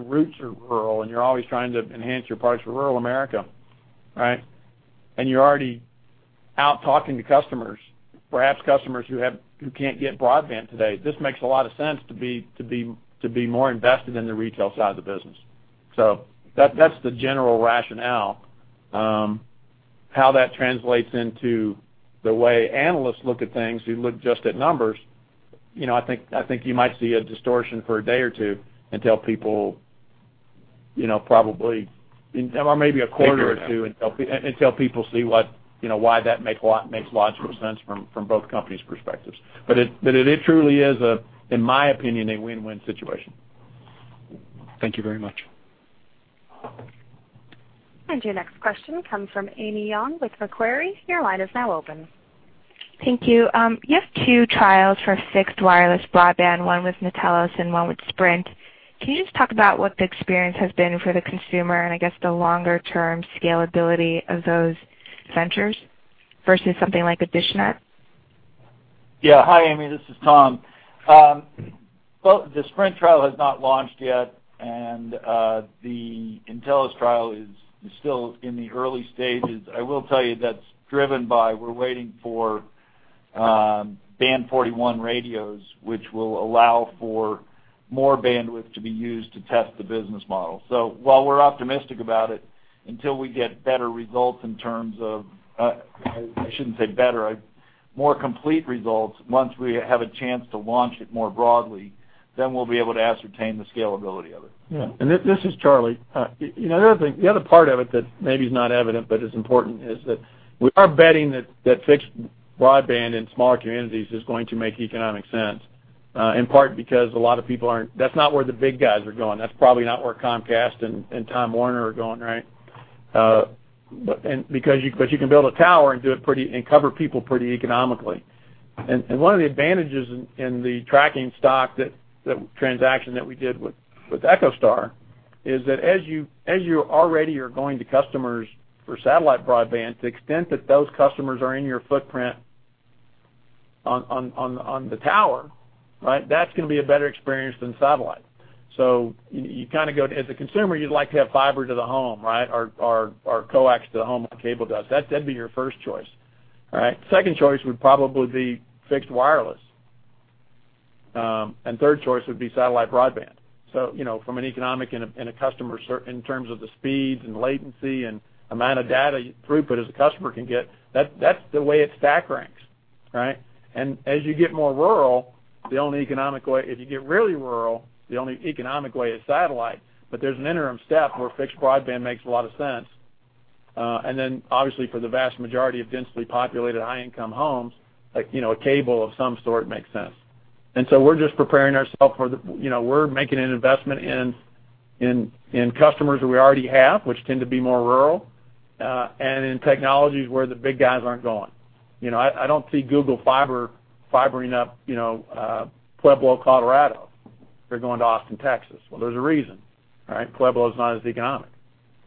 roots are rural, and you're always trying to enhance your products for rural America, right? You're already out talking to customers, perhaps customers who can't get broadband today, this makes a lot of sense to be more invested in the retail side of the business. That's the general rationale. How that translates into the way analysts look at things who look just at numbers, you know, I think you might see a distortion for a day or two until people, you know, probably or maybe a quarter or two.
Thank you.
until people see what, you know, why that makes logical sense from both companies' perspectives. It truly is a, in my opinion, a win-win situation.
Thank you very much.
Your next question comes from Amy Yong with Macquarie.
Thank you. You have two trials for fixed wireless broadband, one with nTelos and one with Sprint. Can you just talk about what the experience has been for the consumer and I guess the longer-term scalability of those centers versus something like a dishNET?
Yeah. Hi, Amy. This is Tom. Well, the Sprint trial has not launched yet, and the nTelos trial is still in the early stages. I will tell you that's driven by we're waiting for Band 41 radios, which will allow for more bandwidth to be used to test the business model. While we're optimistic about it, until we get better results in terms of more complete results, once we have a chance to launch it more broadly, then we'll be able to ascertain the scalability of it.
Yeah. This is Charlie. you know, the other thing, the other part of it that maybe is not evident but is important is that we are betting that fixed broadband in smaller communities is going to make economic sense, in part because a lot of people aren't. That's not where the big guys are going. That's probably not where Comcast and Time Warner are going, right? But because you can build a tower and do it pretty, and cover people pretty economically. One of the advantages in the tracking stock that transaction that we did with EchoStar is that as you already are going to customers for satellite broadband, the extent that those customers are in your footprint on the tower, right? That's gonna be a better experience than satellite. You kinda go as a consumer, you'd like to have fiber to the home, right? Coax to the home like cable does. That'd be your first choice. All right? Second choice would probably be fixed wireless. Third choice would be satellite broadband. You know, from an economic in terms of the speeds and latency and amount of data throughput as a customer can get, that's the way it stack ranks, right? As you get more rural, if you get really rural, the only economic way is satellite. There's an interim step where fixed broadband makes a lot of sense. Then, obviously, for the vast majority of densely populated high-income homes, like, you know, a cable of some sort makes sense.
We're just preparing ourself for the You know, we're making an investment in customers that we already have, which tend to be more rural, and in technologies where the big guys aren't going. You know, I don't see Google Fiber fibering up, you know, Pueblo, Colorado. They're going to Austin, Texas. There's a reason, right? Pueblo is not as economic.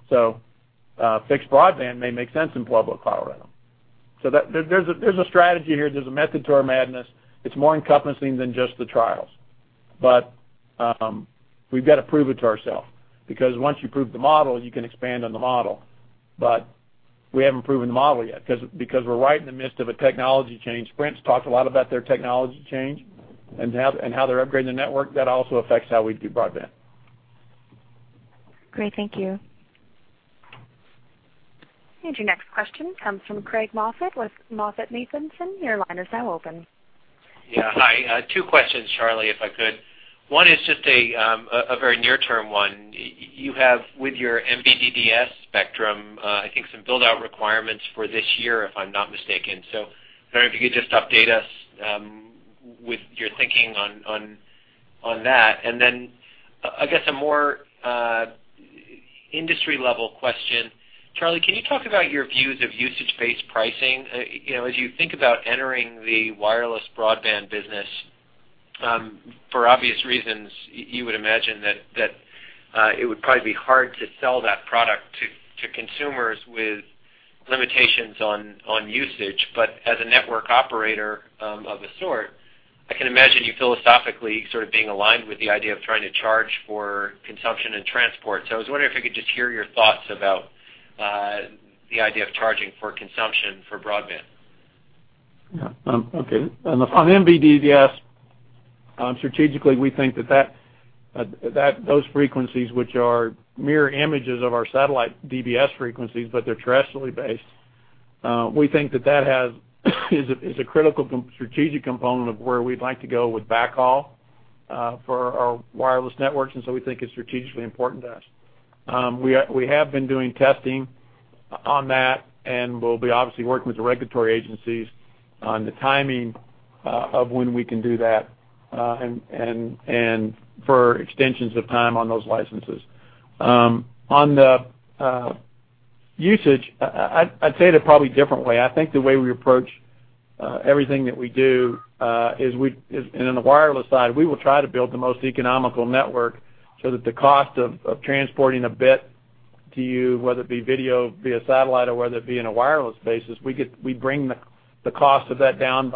Fixed broadband may make sense in Pueblo, Colorado. There's a strategy here. There's a method to our madness. It's more encompassing than just the trials. We've got to prove it to ourself because once you prove the model, you can expand on the model. We haven't proven the model yet 'cause because we're right in the midst of a technology change. Sprint's talked a lot about their technology change and how they're upgrading the network. That also affects how we do broadband.
Great. Thank you.
Your next question comes from Craig Moffett with MoffettNathanson. Your line is now open.
Hi. Two questions, Charlie, if I could. One is just a very near-term one. You have with your MVDDS spectrum, I think some build-out requirements for this year, if I'm not mistaken. I don't know if you could just update us with your thinking on that. Then, I guess a more industry-level question. Charlie, can you talk about your views of usage-based pricing? You know, as you think about entering the wireless broadband business, for obvious reasons, you would imagine that it would probably be hard to sell that product to consumers with limitations on usage. As a network operator, of a sort, I can imagine you philosophically sort of being aligned with the idea of trying to charge for consumption and transport. I was wondering if I could just hear your thoughts about the idea of charging for consumption for broadband.
Yeah. Okay. On the, on MVDDS, strategically, we think that that, those frequencies, which are mirror images of our satellite DBS frequencies, but they're terrestrially based, we think that that has, is a, is a critical strategic component of where we'd like to go with backhaul for our wireless networks. We think it's strategically important to us. We have been doing testing on that and we'll be obviously working with the regulatory agencies on the timing of when we can do that and for extensions of time on those licenses. On the usage, I'd say it a probably different way. I think the way we approach everything that we do is, and in the wireless side, we will try to build the most economical network so that the cost of transporting a bit to you, whether it be video via satellite or whether it be in a wireless basis, we bring the cost of that down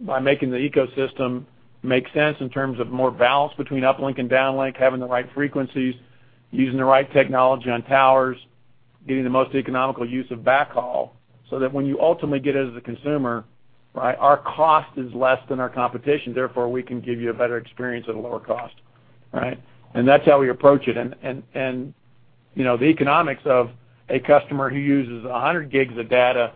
by making the ecosystem make sense in terms of more balance between uplink and downlink, having the right frequencies. Using the right technology on towers, getting the most economical use of backhaul, so that when you ultimately get it as a consumer, right, our cost is less than our competition, therefore, we can give you a better experience at a lower cost, right? That's how we approach it. You know, the economics of a customer who uses 100 GB of data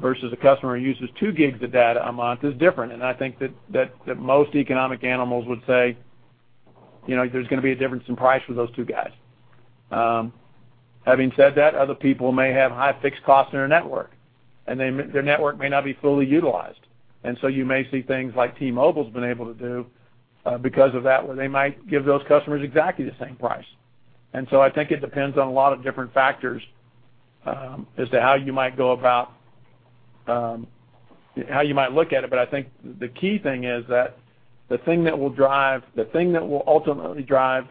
versus a customer who uses 2 GB of data a month is different. I think that most economic animals would say, you know, there's gonna be a difference in price for those two guys. Having said that, other people may have high fixed costs in their network, and their network may not be fully utilized. You may see things like T-Mobile's been able to do because of that, where they might give those customers exactly the same price. I think it depends on a lot of different factors as to how you might go about how you might look at it. I think the key thing is that the thing that will ultimately drive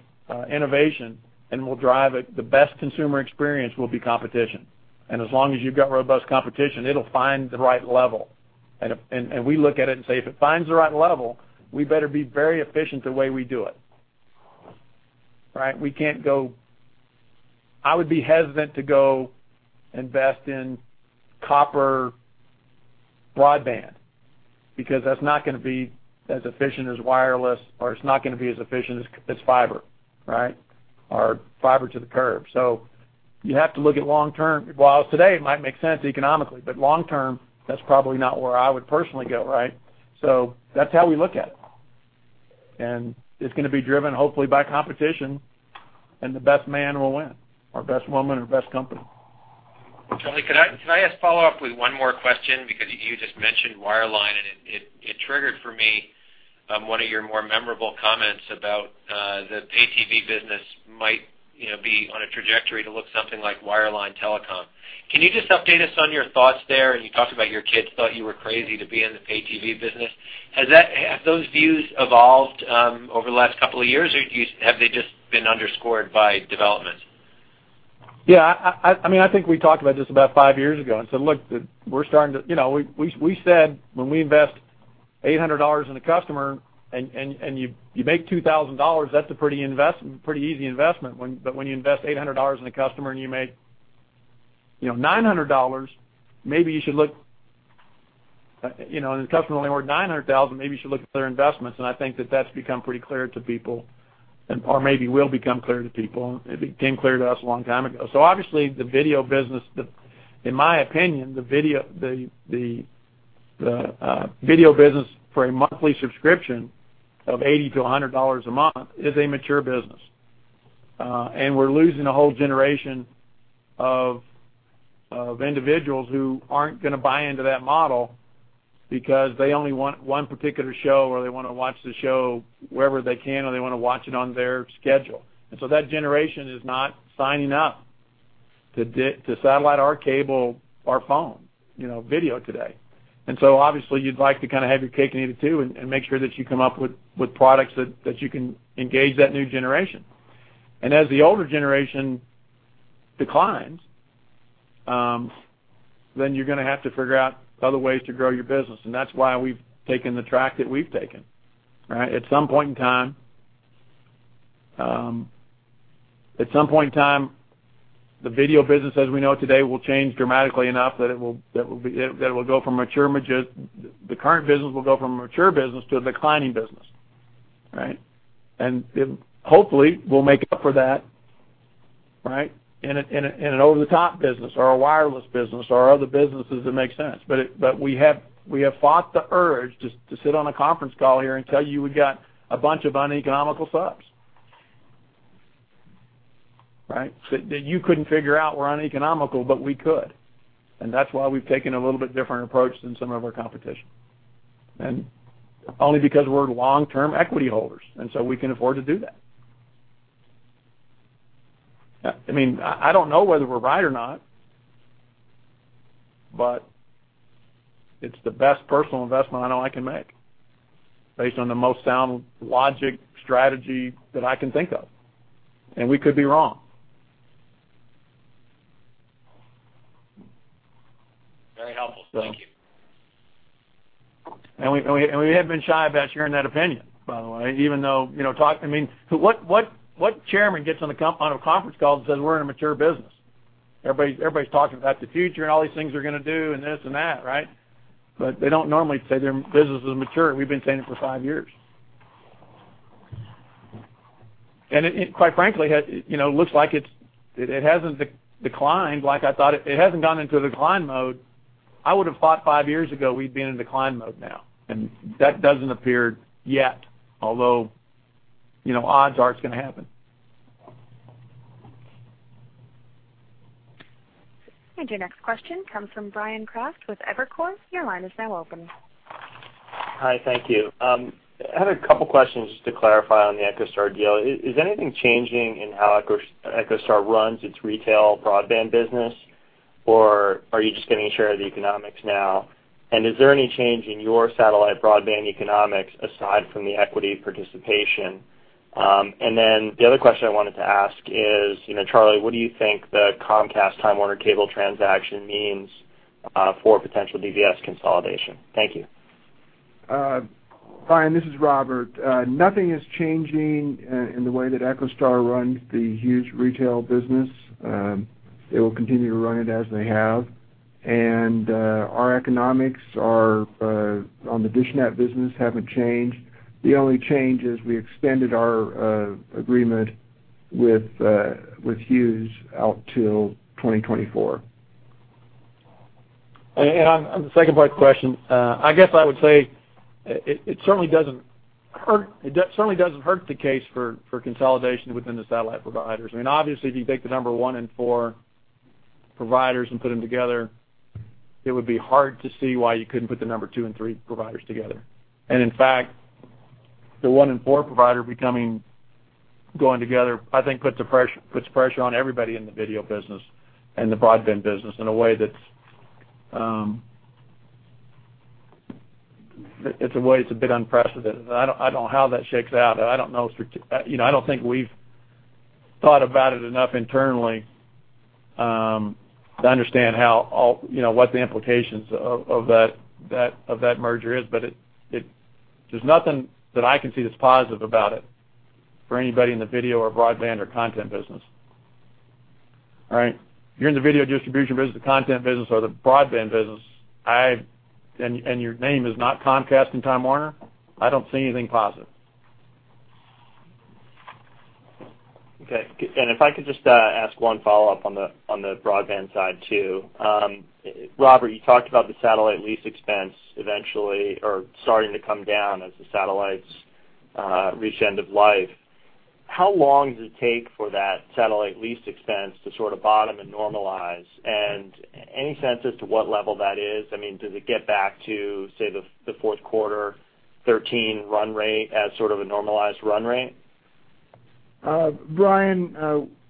innovation and will drive it, the best consumer experience will be competition. As long as you've got robust competition, it'll find the right level. We look at it and say, if it finds the right level, we better be very efficient the way we do it, right? I would be hesitant to go invest in copper broadband because that's not gonna be as efficient as wireless, or it's not gonna be as efficient as fiber, right? Or fiber to the curb. You have to look at long term. While today it might make sense economically, but long term, that's probably not where I would personally go, right? That's how we look at it. It's gonna be driven hopefully by competition, and the best man will win, or best woman or best company.
Charlie, can I ask follow-up with one more question? Because you just mentioned wireline, and it triggered for me, one of your more memorable comments about the pay TV business might, you know, be on a trajectory to look something like wireline telecom. Can you just update us on your thoughts there? You talked about your kids thought you were crazy to be in the pay TV business. Have those views evolved over the last couple of years, or have they just been underscored by development?
Yeah. I mean, I think we talked about this about five years ago and said, look, you know, we said, when we invest $800 in a customer and you make $2,000, that's a pretty easy investment. When you invest $800 in a customer and you make, you know, $900, maybe you should look, you know, and the customer only worth $900,000, maybe you should look at their investments. I think that that's become pretty clear to people or maybe will become clear to people. It became clear to us a long time ago. Obviously, the video business, in my opinion, the video business for a monthly subscription of $80-$100 a month is a mature business. We're losing a whole generation of individuals who aren't gonna buy into that model because they only want one particular show, or they wanna watch the show wherever they can, or they wanna watch it on their schedule. That generation is not signing up to satellite or cable or phone, you know, video today. Obviously, you'd like to kinda have your cake and eat it too, and make sure that you come up with products that you can engage that new generation. As the older generation declines, then you're gonna have to figure out other ways to grow your business, and that's why we've taken the track that we've taken, right? At some point in time, at some point in time, the video business as we know it today, will change dramatically enough that it will, that will be, that it will go from mature majus the current business will go from a mature business to a declining business, right? Hopefully, we'll make up for that, right, in an over-the-top business or a wireless business or other businesses that make sense. But we have fought the urge to sit on a conference call here and tell you we've got a bunch of uneconomical subs. Right? That you couldn't figure out were uneconomical, but we could, and that's why we've taken a little bit different approach than some of our competition. Only because we're long-term equity holders, and so we can afford to do that. I mean, I don't know whether we're right or not, but it's the best personal investment I know I can make based on the most sound logic strategy that I can think of, and we could be wrong.
Very helpful.
So-
Thank you.
We haven't been shy about sharing that opinion, by the way, even though, you know, I mean, what chairman gets on a conference call and says, we're in a mature business? Everybody's talking about the future and all these things we're gonna do and this and that, right? They don't normally say their business is mature. We've been saying it for five years. It, quite frankly, has, you know, looks like it hasn't declined like I thought. It hasn't gone into decline mode. I would've thought five years ago we'd be in a decline mode now, and that doesn't appear yet, although, you know, odds are it's gonna happen.
Your next question comes from Brian Kraft with Evercore. Your line is now open.
Hi, thank you. I had a couple questions just to clarify on the EchoStar deal. Is anything changing in how EchoStar runs its retail broadband business, or are you just getting a share of the economics now? Is there any change in your satellite broadband economics aside from the equity participation? The other question I wanted to ask is, you know, Charlie, what do you think the Comcast Time Warner Cable transaction means for potential DBS consolidation? Thank you.
Brian, this is Robert. Nothing is changing in the way that EchoStar runs the Hughes retail business. They will continue to run it as they have. Our economics are on the dishNET business haven't changed. The only change is we extended our agreement with Hughes out till 2024.
On the second part of the question, I guess I would say it certainly doesn't hurt the case for consolidation within the satellite providers. I mean, obviously, if you take the number one and four providers and put them together, it would be hard to see why you couldn't put the number two and three providers together. In fact, the one in four provider going together, I think puts pressure on everybody in the video business and the broadband business in a way that's a bit unprecedented. I don't know how that shakes out. I don't know You know, I don't think we've thought about it enough internally to understand how all, you know, what the implications of that merger is. There's nothing that I can see that's positive about it for anybody in the video or broadband or content business. All right. If you're in the video distribution business, the content business or the broadband business, your name is not Comcast and Time Warner, I don't see anything positive.
Okay. If I could just ask one follow-up on the broadband side too. Robert, you talked about the satellite lease expense eventually or starting to come down as the satellites reach end of life. How long does it take for that satellite lease expense to sort of bottom and normalize? Any sense as to what level that is? I mean, does it get back to, say, the fourth quarter 2013 run rate as sort of a normalized run rate?
Brian,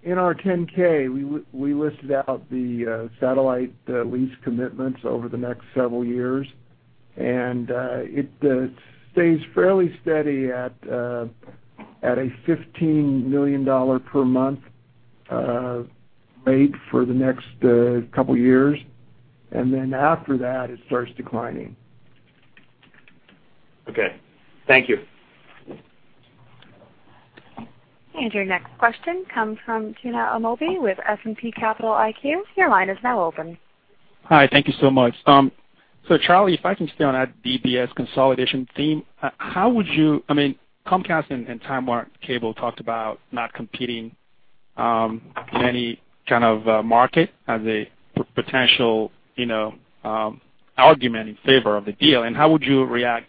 in our 10-K, we listed out the satellite lease commitments over the next several years. It stays fairly steady at a $15 million per month rate for the next couple of years. After that, it starts declining.
Okay. Thank you.
Your next question comes from Tuna Amobi with S&P Capital IQ.
Hi. Thank you so much. Charlie, if I can stay on that DBS consolidation theme, how would you I mean, Comcast and Time Warner Cable talked about not competing in any kind of market as a potential, you know, argument in favor of the deal. How would you react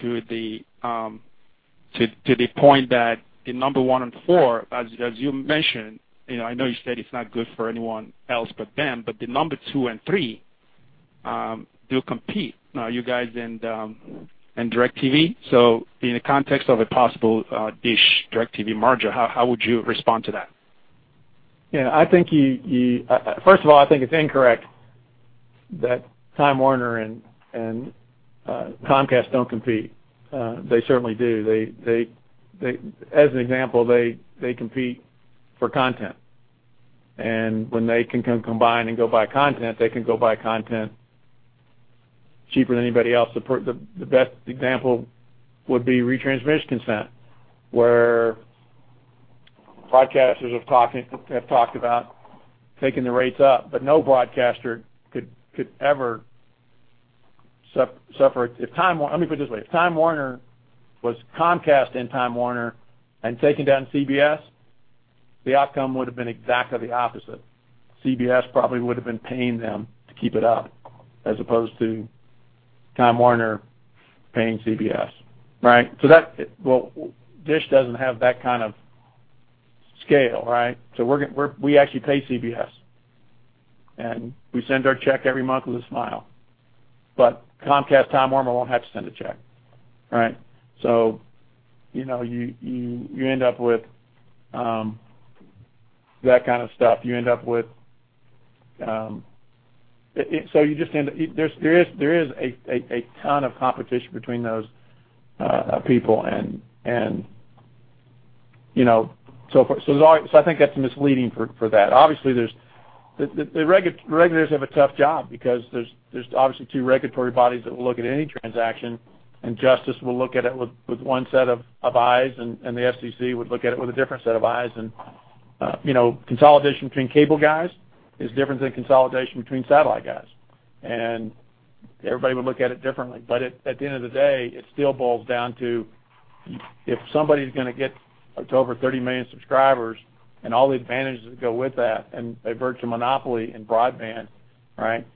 to the point that the number one and four, as you mentioned, you know, I know you said it's not good for anyone else but them, but the number two and three do compete, now you guys and DirecTV. In the context of a possible DISH, DirecTV merger, how would you respond to that?
Yeah. I think you, first of all, I think it's incorrect that Time Warner and Comcast don't compete. They certainly do. They, as an example, they compete for content. When they can combine and go buy content, they can go buy content cheaper than anybody else. The best example would be retransmission consent, where broadcasters have talked about taking the rates up, no broadcaster could ever suffer. If Time Warner, let me put it this way. If Time Warner was Comcast and Time Warner and taking down CBS, the outcome would have been exactly the opposite. CBS probably would have been paying them to keep it up as opposed to Time Warner paying CBS, right? That, well, Dish doesn't have that kind of scale, right? We actually pay CBS, and we send our check every month with a smile. Comcast, Time Warner won't have to send a check, right? You know, you, you end up with that kind of stuff. You end up with there is a ton of competition between those people and, you know, so forth. I think that's misleading for that. Obviously, there's the regulators have a tough job because there's obviously two regulatory bodies that will look at any transaction, and Justice will look at it with one set of eyes, and the FCC would look at it with a different set of eyes. You know, consolidation between cable guys is different than consolidation between satellite guys. Everybody would look at it differently. At the end of the day, it still boils down to if somebody's gonna get up to over 30 million subscribers and all the advantages that go with that and a virtual monopoly in broadband, right?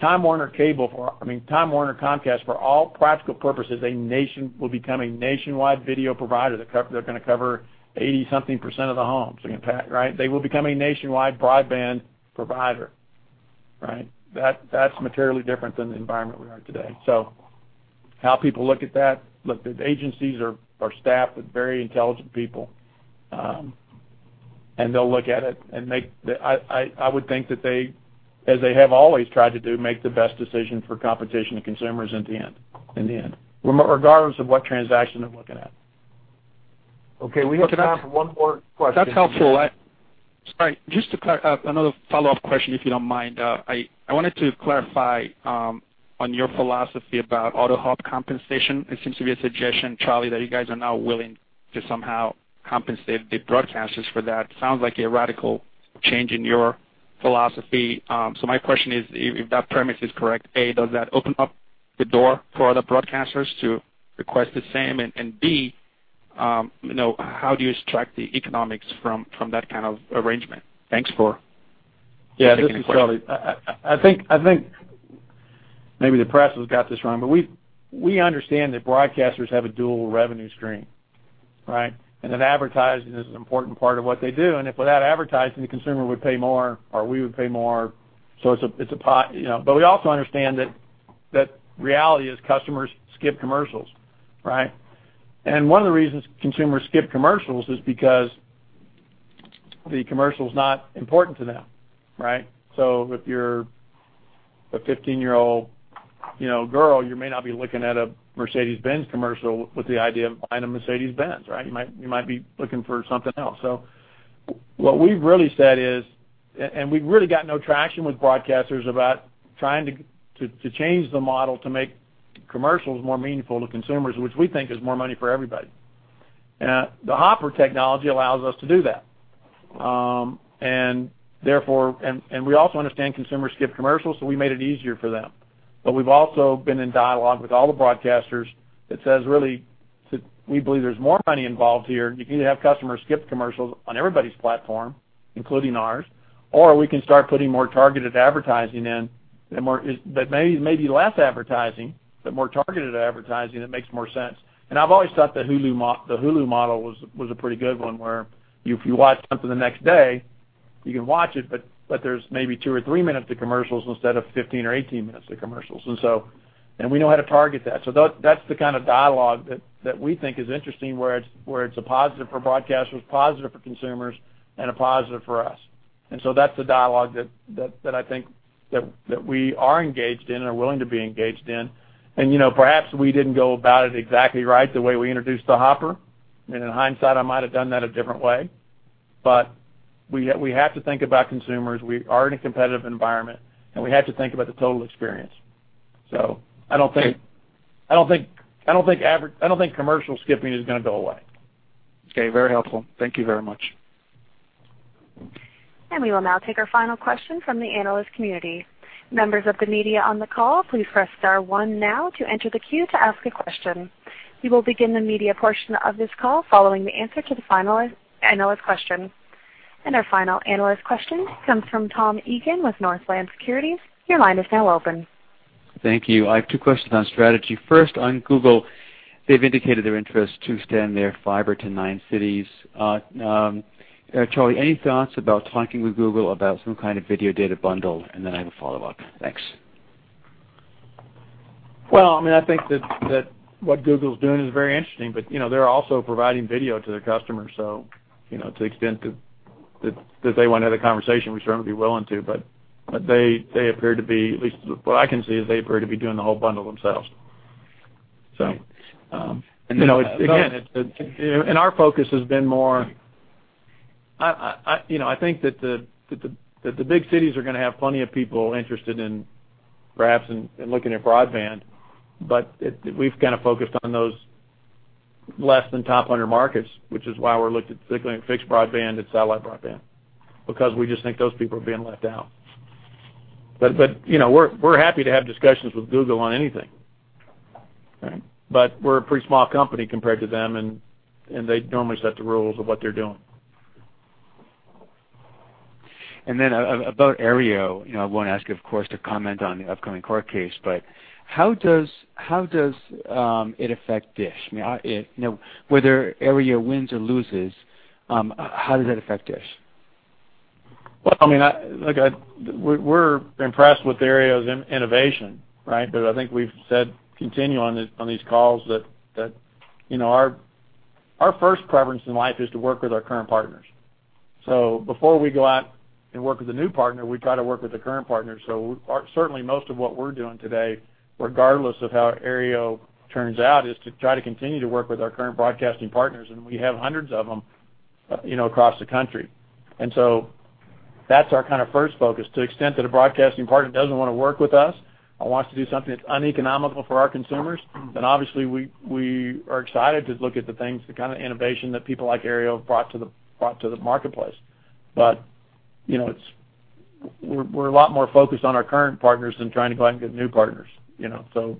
Time Warner Cable for I mean, Time Warner, Comcast, for all practical purposes, will become a nationwide video provider. They're gonna cover 80 something% of the homes, right? They will become a nationwide broadband provider, right? That's materially different than the environment we are today. How people look at that, look, the agencies are staffed with very intelligent people, and they'll look at it and make the I would think that they, as they have always tried to do, make the best decision for competition and consumers in the end, regardless of what transaction they're looking at. Okay. We have time for one more question.
That's helpful. Sorry, just to clarify, another follow-up question, if you don't mind. I wanted to clarify on your philosophy about AutoHop compensation. It seems to be a suggestion, Charlie, that you guys are now willing to somehow compensate the broadcasters for that. Sounds like a radical change in your philosophy. My question is, if that premise is correct, A, does that open up the door for other broadcasters to request the same? B, you know, how do you strike the economics from that kind of arrangement? Thanks for taking the question.
Yeah. This is Charlie. I think maybe the press has got this wrong, but we understand that broadcasters have a dual revenue stream, right? Advertising is an important part of what they do. If without advertising, the consumer would pay more or we would pay more. It's a, you know. We also understand that reality is customers skip commercials, right? One of the reasons consumers skip commercials is because the commercial's not important to them, right? If you're a 15-year-old, you know, girl, you may not be looking at a Mercedes-Benz commercial with the idea of buying a Mercedes-Benz, right? You might be looking for something else. What we've really said is, and we've really got no traction with broadcasters about trying to change the model to make commercials more meaningful to consumers, which we think is more money for everybody. The Hopper technology allows us to do that. Therefore, we also understand consumers skip commercials, so we made it easier for them. We've also been in dialogue with all the broadcasters that says, really, we believe there's more money involved here. You can either have customers skip commercials on everybody's platform, including ours, or we can start putting more targeted advertising in that that may be less advertising but more targeted advertising that makes more sense. I've always thought the Hulu model was a pretty good one, where if you watch something the next day, you can watch it, but there's maybe 2 or 3 minutes of commercials instead of 15 or 18 minutes of commercials. We know how to target that. That's the kind of dialogue that we think is interesting, where it's a positive for broadcasters, positive for consumers, and a positive for us. That's the dialogue that I think that we are engaged in and are willing to be engaged in. You know, perhaps we didn't go about it exactly right the way we introduced the Hopper. I mean, in hindsight, I might have done that a different way. We have to think about consumers. We are in a competitive environment, and we have to think about the total experience. I don't think commercial skipping is gonna go away.
Okay. Very helpful. Thank you very much.
We will now take our final question from the analyst community. Members of the media on the call, please press star one now to enter the queue to ask a question. We will begin the media portion of this call following the answer to the analyst question. Our final analyst question comes from Tom Eagan with Northland Securities. Your line is now open.
Thank you. I have two questions on strategy. First, on Google, they've indicated their interest to extend their fiber to nine cities. Charlie, any thoughts about talking with Google about some kind of video data bundle? Then I have a follow-up. Thanks.
Well, I mean, I think that what Google's doing is very interesting, but, you know, they're also providing video to their customers, so, you know, to the extent that, that they wanna have the conversation, we certainly would be willing to. They appear to be, at least from what I can see, is they appear to be doing the whole bundle themselves.
And then-
Our focus has been more you know, I think that the big cities are gonna have plenty of people interested in, perhaps in looking at broadband, we've kinda focused on those less than top 100 markets, which is why we're looked at selling fixed broadband and satellite broadband, because we just think those people are being left out. You know, we're happy to have discussions with Google on anything. Right? We're a pretty small company compared to them, and they normally set the rules of what they're doing.
Then about Aereo, you know, I won't ask you, of course, to comment on the upcoming court case, but how does it affect DISH? I mean, You know, whether Aereo wins or loses, how does that affect DISH?
Well, I mean, We're impressed with Aereo's in-innovation, right? I think we've said continue on these calls that, you know, our first preference in life is to work with our current partners. Before we go out and work with a new partner, we try to work with the current partner. Certainly, most of what we're doing today, regardless of how Aereo turns out, is to try to continue to work with our current broadcasting partners, and we have hundreds of them, you know, across the country. That's our kinda first focus. To the extent that a broadcasting partner doesn't wanna work with us or wants to do something that's uneconomical for our consumers, then obviously, we are excited to look at the things, the kind of innovation that people like Aereo have brought to the marketplace. You know, We're a lot more focused on our current partners than trying to go out and get new partners, you know?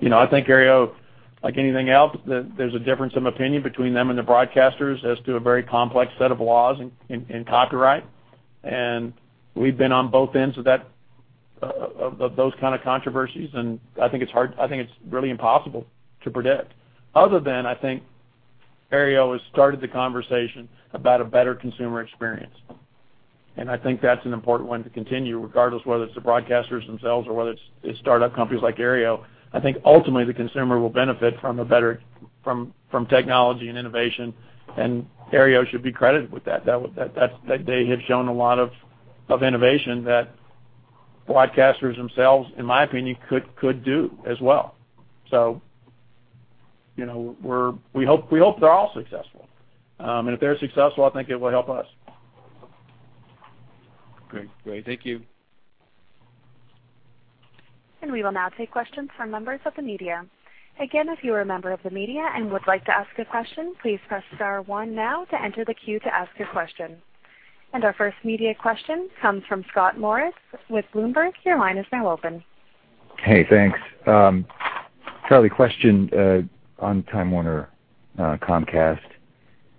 You know, I think Aereo, like anything else, there's a difference of opinion between them and the broadcasters as to a very complex set of laws and copyright. We've been on both ends of that, of those kind of controversies, and I think it's hard, I think it's really impossible to predict. I think Aereo has started the conversation about a better consumer experience, and I think that's an important one to continue, regardless whether it's the Broadcasters themselves or whether it's startup companies like Aereo. I think ultimately, the consumer will benefit from a better from technology and innovation, Aereo should be credited with that. They have shown a lot of innovation that Broadcasters themselves, in my opinion, could do as well. You know, we hope they're all successful. If they're successful, I think it will help us.
Great. Great. Thank you.
We will now take questions from members of the media. Again, if you are a member of the media and would like to ask a question, please press star one now to enter the queue to ask your question. Our first media question comes from Scott Moritz with Bloomberg. Your line is now open.
Hey, thanks. Charlie, question on Time Warner, Comcast.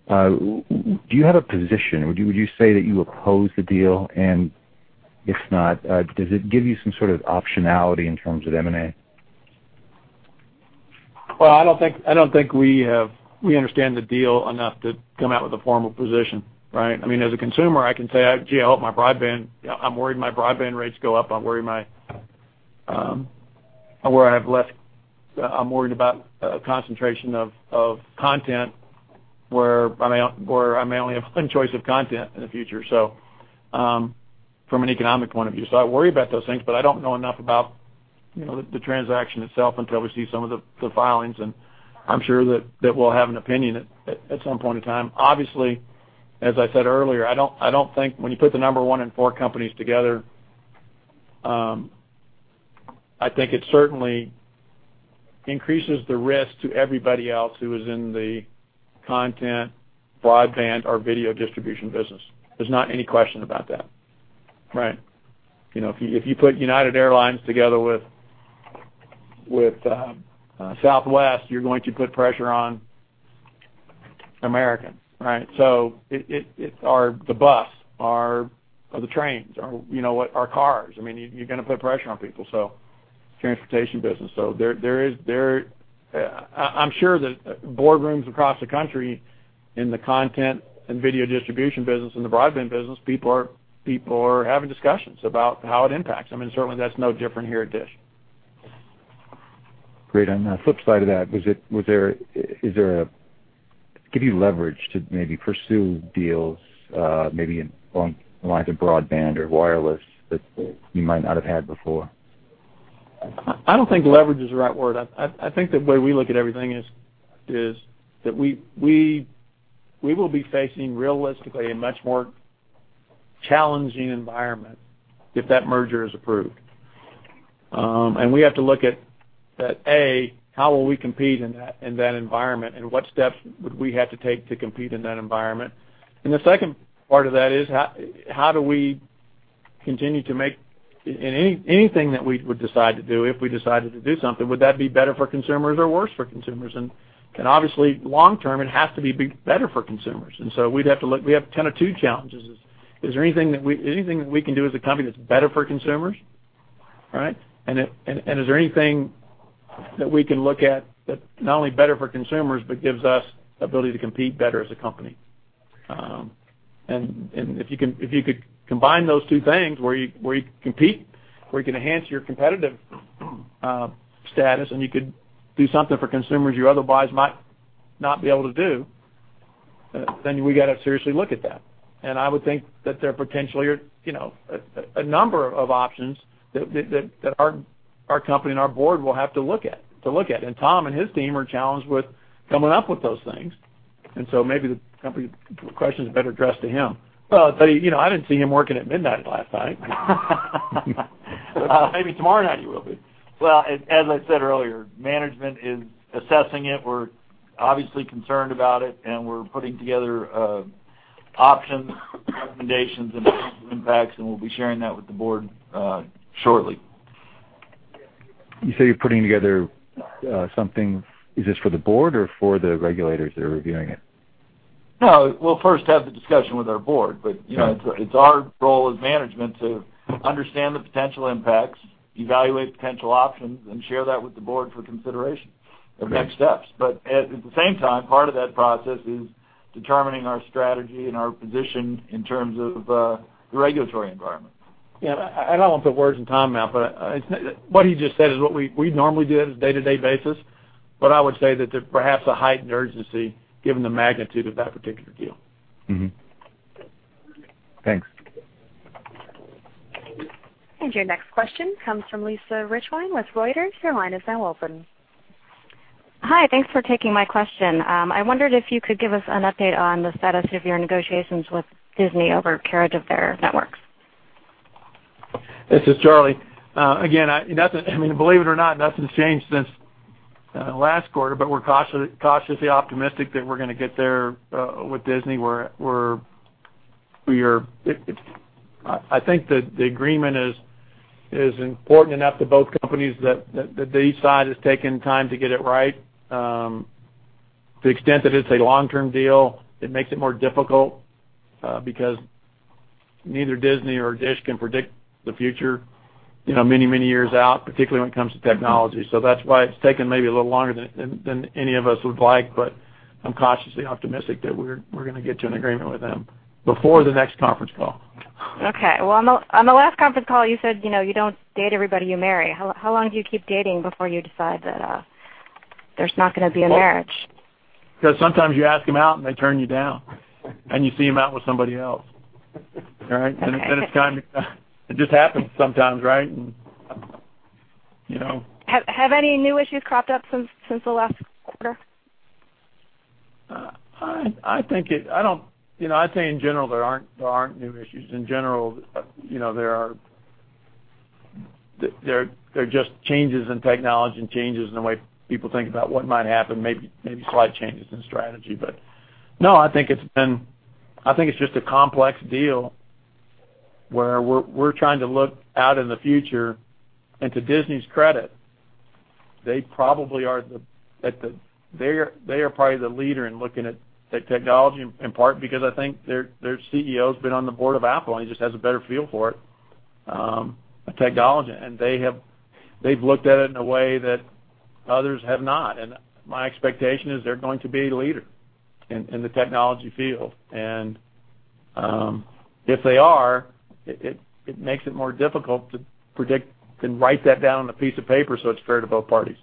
Do you have a position? Would you say that you oppose the deal? If not, does it give you some sort of optionality in terms of M&A?
I don't think we understand the deal enough to come out with a formal position, right? I mean, as a consumer, I can say, "Gee, I'm worried my broadband rates go up. I'm worried my, I'm worried about a concentration of content where I may only have one choice of content in the future." From an economic point of view. I worry about those things, but I don't know enough about, you know, the transaction itself until we see some of the filings, and I'm sure that we'll have an opinion at some point in time. Obviously, as I said earlier, I don't think when you put the number 1 and 4 companies together, I think it certainly increases the risk to everybody else who is in the content, broadband or video distribution business. There's not any question about that, right? You know, if you put United Airlines together with Southwest, you're going to put pressure on American, right? Or the bus or the trains or, you know, or cars. I mean, you're gonna put pressure on people, so transportation business. There is, I'm sure that boardrooms across the country in the content and video distribution business and the broadband business, people are having discussions about how it impacts. Certainly that's no different here at DISH.
Great. On the flip side of that, is there a Give you leverage to maybe pursue deals, maybe along the lines of broadband or wireless that you might not have had before?
I don't think leverage is the right word. I think the way we look at everything is that we will be facing realistically a much more challenging environment if that merger is approved. We have to look at A, how will we compete in that environment, and what steps would we have to take to compete in that environment? The second part of that is how do we continue to make anything that we would decide to do, if we decided to do something, would that be better for consumers or worse for consumers? Obviously long term, it has to be better for consumers. We have kind of two challenges. Is there anything that we anything that we can do as a company that's better for consumers, right? Is there anything that we can look at that's not only better for consumers, but gives us ability to compete better as a company? If you could combine those two things where you, where you compete, where you can enhance your competitive status, and you could do something for consumers you otherwise might not be able to do, then we gotta seriously look at that. I would think that there potentially are, you know, a number of options that our company and our board will have to look at. Tom and his team are challenged with coming up with those things. Maybe the company question is better addressed to him. But, you know, I didn't see him working at midnight last night. Maybe tomorrow night he will be.
Well, as I said earlier, management is assessing it. We're obviously concerned about it, and we're putting together options, recommendations and potential impacts, and we'll be sharing that with the board shortly.
You say you're putting together something. Is this for the board or for the regulators that are reviewing it?
No, we'll first have the discussion with our board, but, you know.
Okay
it's our role as management to understand the potential impacts, evaluate potential options, and share that with the board for consideration.
Okay
for next steps. At the same time, part of that process is determining our strategy and our position in terms of the regulatory environment.
Yeah. I don't want to put words in Tom's mouth, but what he just said is what we normally do as a day-to-day basis, but I would say that there's perhaps a heightened urgency given the magnitude of that particular deal.
Thanks.
Your next question comes from Lisa Richwine with Reuters.
Hi. Thanks for taking my question. I wondered if you could give us an update on the status of your negotiations with Disney over carriage of their networks?
This is Charlie. Again, I mean, believe it or not, nothing's changed since last quarter, but we're cautiously optimistic that we're gonna get there with Disney. We are. I think the agreement is important enough to both companies that each side has taken time to get it right. To the extent that it's a long-term deal, it makes it more difficult, because neither Disney or DISH can predict the future, you know, many years out, particularly when it comes to technology. That's why it's taken maybe a little longer than any of us would like, but I'm cautiously optimistic that we're gonna get to an agreement with them before the next conference call.
Okay. Well, on the last conference call, you said, you know, you don't date everybody you marry. How long do you keep dating before you decide that? There's not gonna be a marriage.
'Cause sometimes you ask 'em out and they turn you down, and you see 'em out with somebody else. All right?
Okay.
It just happens sometimes, right? You know. Have any new issues cropped up since the last quarter?
I think it, you know, I'd say in general, there aren't new issues. In general, you know, there are just changes in technology and changes in the way people think about what might happen, maybe slight changes in strategy. No, I think it's been I think it's just a complex deal where we're trying to look out in the future. To Disney's credit, they probably are the leader in looking at technology, in part because I think their CEO's been on the board of Apple, and he just has a better feel for it, the technology. They've looked at it in a way that others have not. My expectation is they're going to be a leader in the technology field. if they are, it makes it more difficult to predict and write that down on a piece of paper, so it's fair to both parties.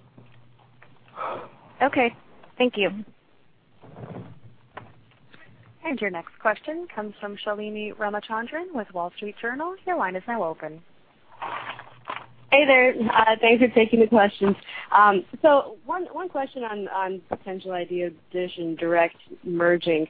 Okay. Thank you.
Your next question comes from Shalini Ramachandran with Wall Street Journal. Your line is now open.
Hey there. Thanks for taking the questions. One question on potential DISH and DirecTV merging.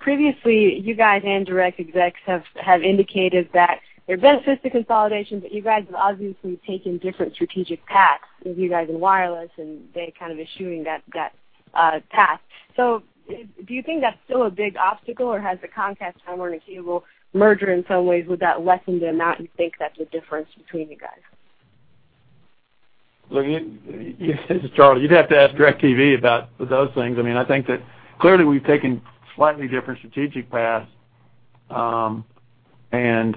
Previously, you guys and DirecTV execs have indicated that there are benefits to consolidation, but you guys have obviously taken different strategic paths with you guys in wireless, and they kind of eschewing that path. Do you think that's still a big obstacle, or has the Comcast-Time Warner Cable merger in some ways, would that lessen the amount you think that's a difference between you guys?
Look, you This is Charlie. You'd have to ask DirecTV about those things. I mean, I think that clearly we've taken slightly different strategic paths, and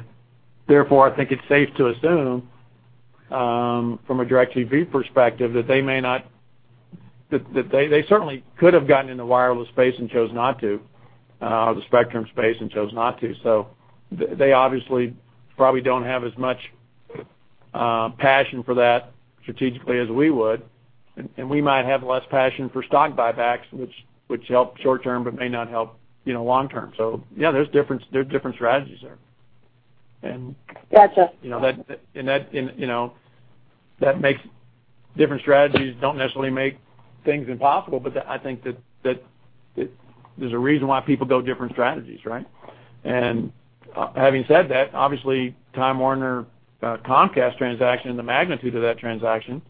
therefore, I think it's safe to assume, from a DirecTV perspective, that they may not that they certainly could have gotten in the wireless space and chose not to, the spectrum space and chose not to. They obviously probably don't have as much passion for that strategically as we would. We might have less passion for stock buybacks, which help short term but may not help, you know, long term. Yeah, there are different strategies there.
Gotcha
you know, that, and that, you know, that makes Different strategies don't necessarily make things impossible, but I think that there's a reason why people build different strategies, right? Having said that, obviously, Time Warner, Comcast transaction, the magnitude of that transaction,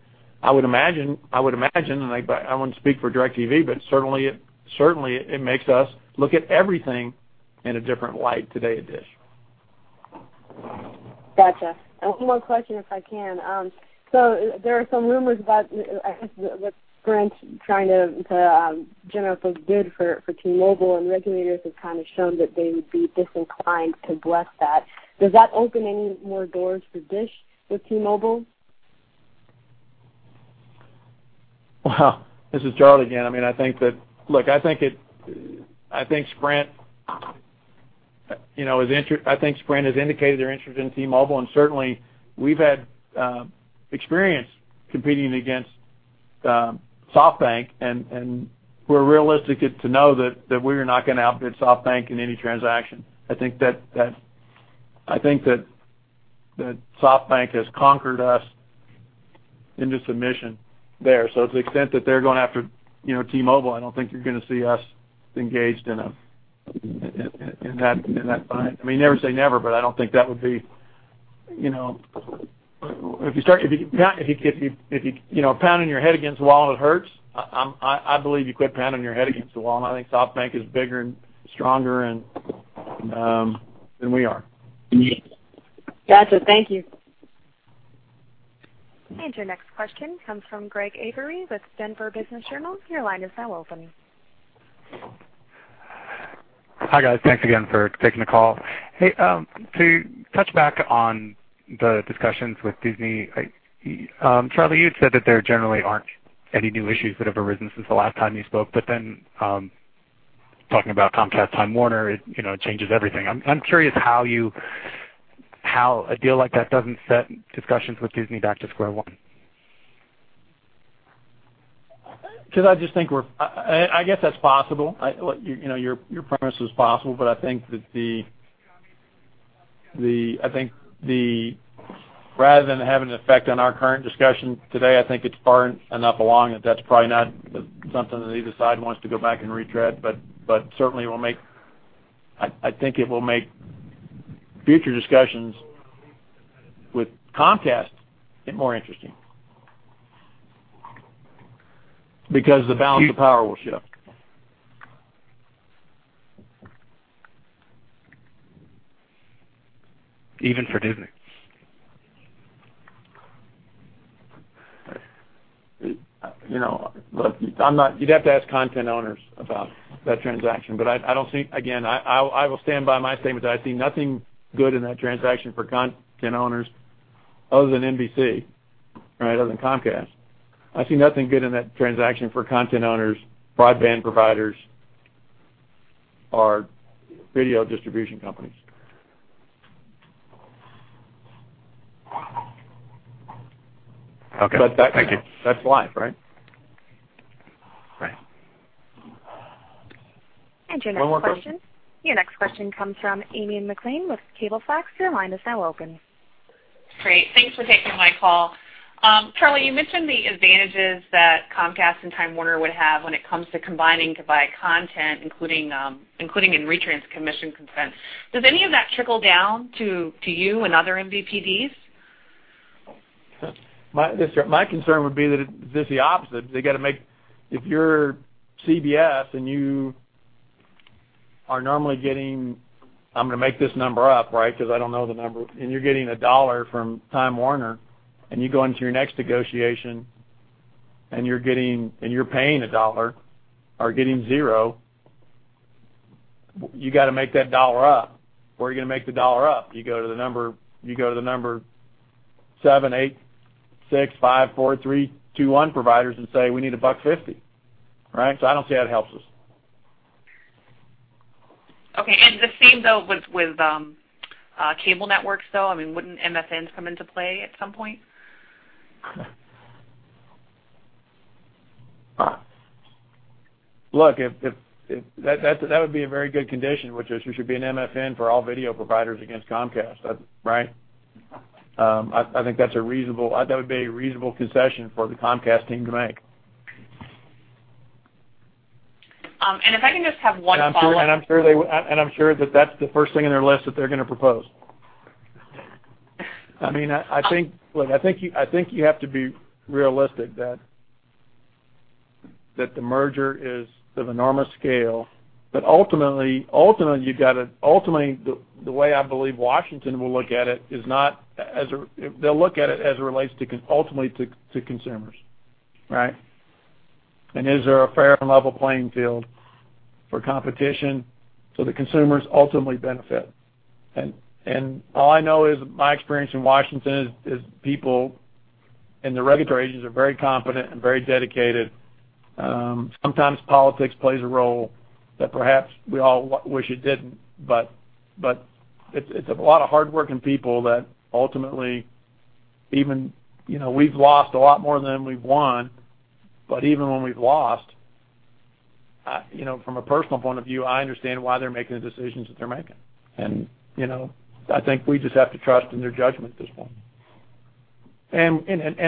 I would imagine, but I wouldn't speak for DirecTV, but certainly, it makes us look at everything in a different light today at DISH.
Gotcha. One more question, if I can. There are some rumors about, I guess, what Sprint's trying to generally bid for T-Mobile, and regulators have kind of shown that they would be disinclined to bless that. Does that open any more doors for DISH with T-Mobile?
This is Charlie again. I mean, I think that Look, I think it I think Sprint, you know, I think Sprint has indicated they're interested in T-Mobile, and certainly, we've had experience competing against SoftBank, and we're realistic to know that we are not gonna outbid SoftBank in any transaction. I think that SoftBank has conquered us into submission there. To the extent that they're going after, you know, T-Mobile, I don't think you're gonna see us engaged in that fight. I mean, never say never, I don't think that would be, you know. Now, if you know, pounding your head against the wall, it hurts. I believe you quit pounding your head against the wall. I think SoftBank is bigger and stronger and than we are.
Gotcha. Thank you.
Your next question comes from Greg Avery with Denver Business Journal. Your line is now open.
Hi, guys. Thanks again for taking the call. Hey, to touch back on the discussions with Disney, Charlie, you had said that there generally aren't any new issues that have arisen since the last time you spoke, then, talking about Comcast, Time Warner, it, you know, changes everything. I'm curious how a deal like that doesn't set discussions with Disney back to square one.
I just think I guess that's possible. You know, your premise is possible, but I think rather than having an effect on our current discussion today, I think it's far enough along that that's probably not something that either side wants to go back and retread. Certainly it will make I think it will make future discussions with Comcast get more interesting because the balance of power will shift.
Even for Disney?
You know, look, You'd have to ask content owners about that transaction. Again, I will stand by my statement that I see nothing good in that transaction for content owners other than NBC, right? Other than Comcast. I see nothing good in that transaction for content owners, broadband providers, or video distribution companies.
Okay. Thank you.
That's live, right?
Right.
Your next question.
One more question.
Your next question comes from Amy Maclean with Cablefax. Your line is now open.
Great. Thanks for taking my call. Charlie, you mentioned the advantages that Comcast and Time Warner would have when it comes to combining to buy content, including in retransmission consent. Does any of that trickle down to you and other MVPDs?
My concern would be that it's just the opposite. They gotta make. If you're CBS and you are normally getting, I'm gonna make this number up, right? I don't know the number, and you're getting $1 from Time Warner, and you go into your next negotiation, and you're paying $1 or getting zero, you gotta make that $1 up. Where are you gonna make the $1 up? You go to the number seven, eight, six, five, four, three, two, one providers and say, "We need $1.50." Right? I don't see how it helps us.
Okay. The same, though, with cable networks, though? I mean, wouldn't MFNs come into play at some point?
Look, if that would be a very good condition, which is we should be an MFN for all video providers against Comcast. That's right? I think that would be a reasonable concession for the Comcast team to make.
If I can just have one follow-up.
I'm sure that that's the first thing on their list that they're gonna propose. I mean, I think you have to be realistic that the merger is of enormous scale. Ultimately, you've got to. Ultimately, the way I believe Washington will look at it is not as a. They'll look at it as it relates to ultimately to consumers, right? Is there a fair and level playing field for competition so the consumers ultimately benefit? All I know is my experience in Washington is people in the regulatory agencies are very competent and very dedicated. Sometimes politics plays a role that perhaps we all wish it didn't. It's a lot of hardworking people that ultimately even, you know, we've lost a lot more than we've won. Even when we've lost, you know, from a personal point of view, I understand why they're making the decisions that they're making. You know, I think we just have to trust in their judgment at this point.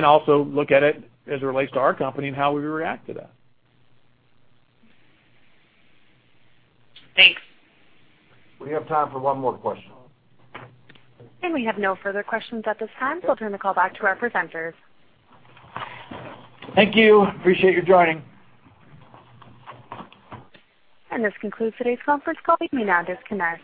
Also look at it as it relates to our company and how we react to that.
Thanks.
We have time for one more question.
We have no further questions at this time. I'll turn the call back to our presenters.
Thank you. Appreciate you joining.
This concludes today's conference call. You may now disconnect.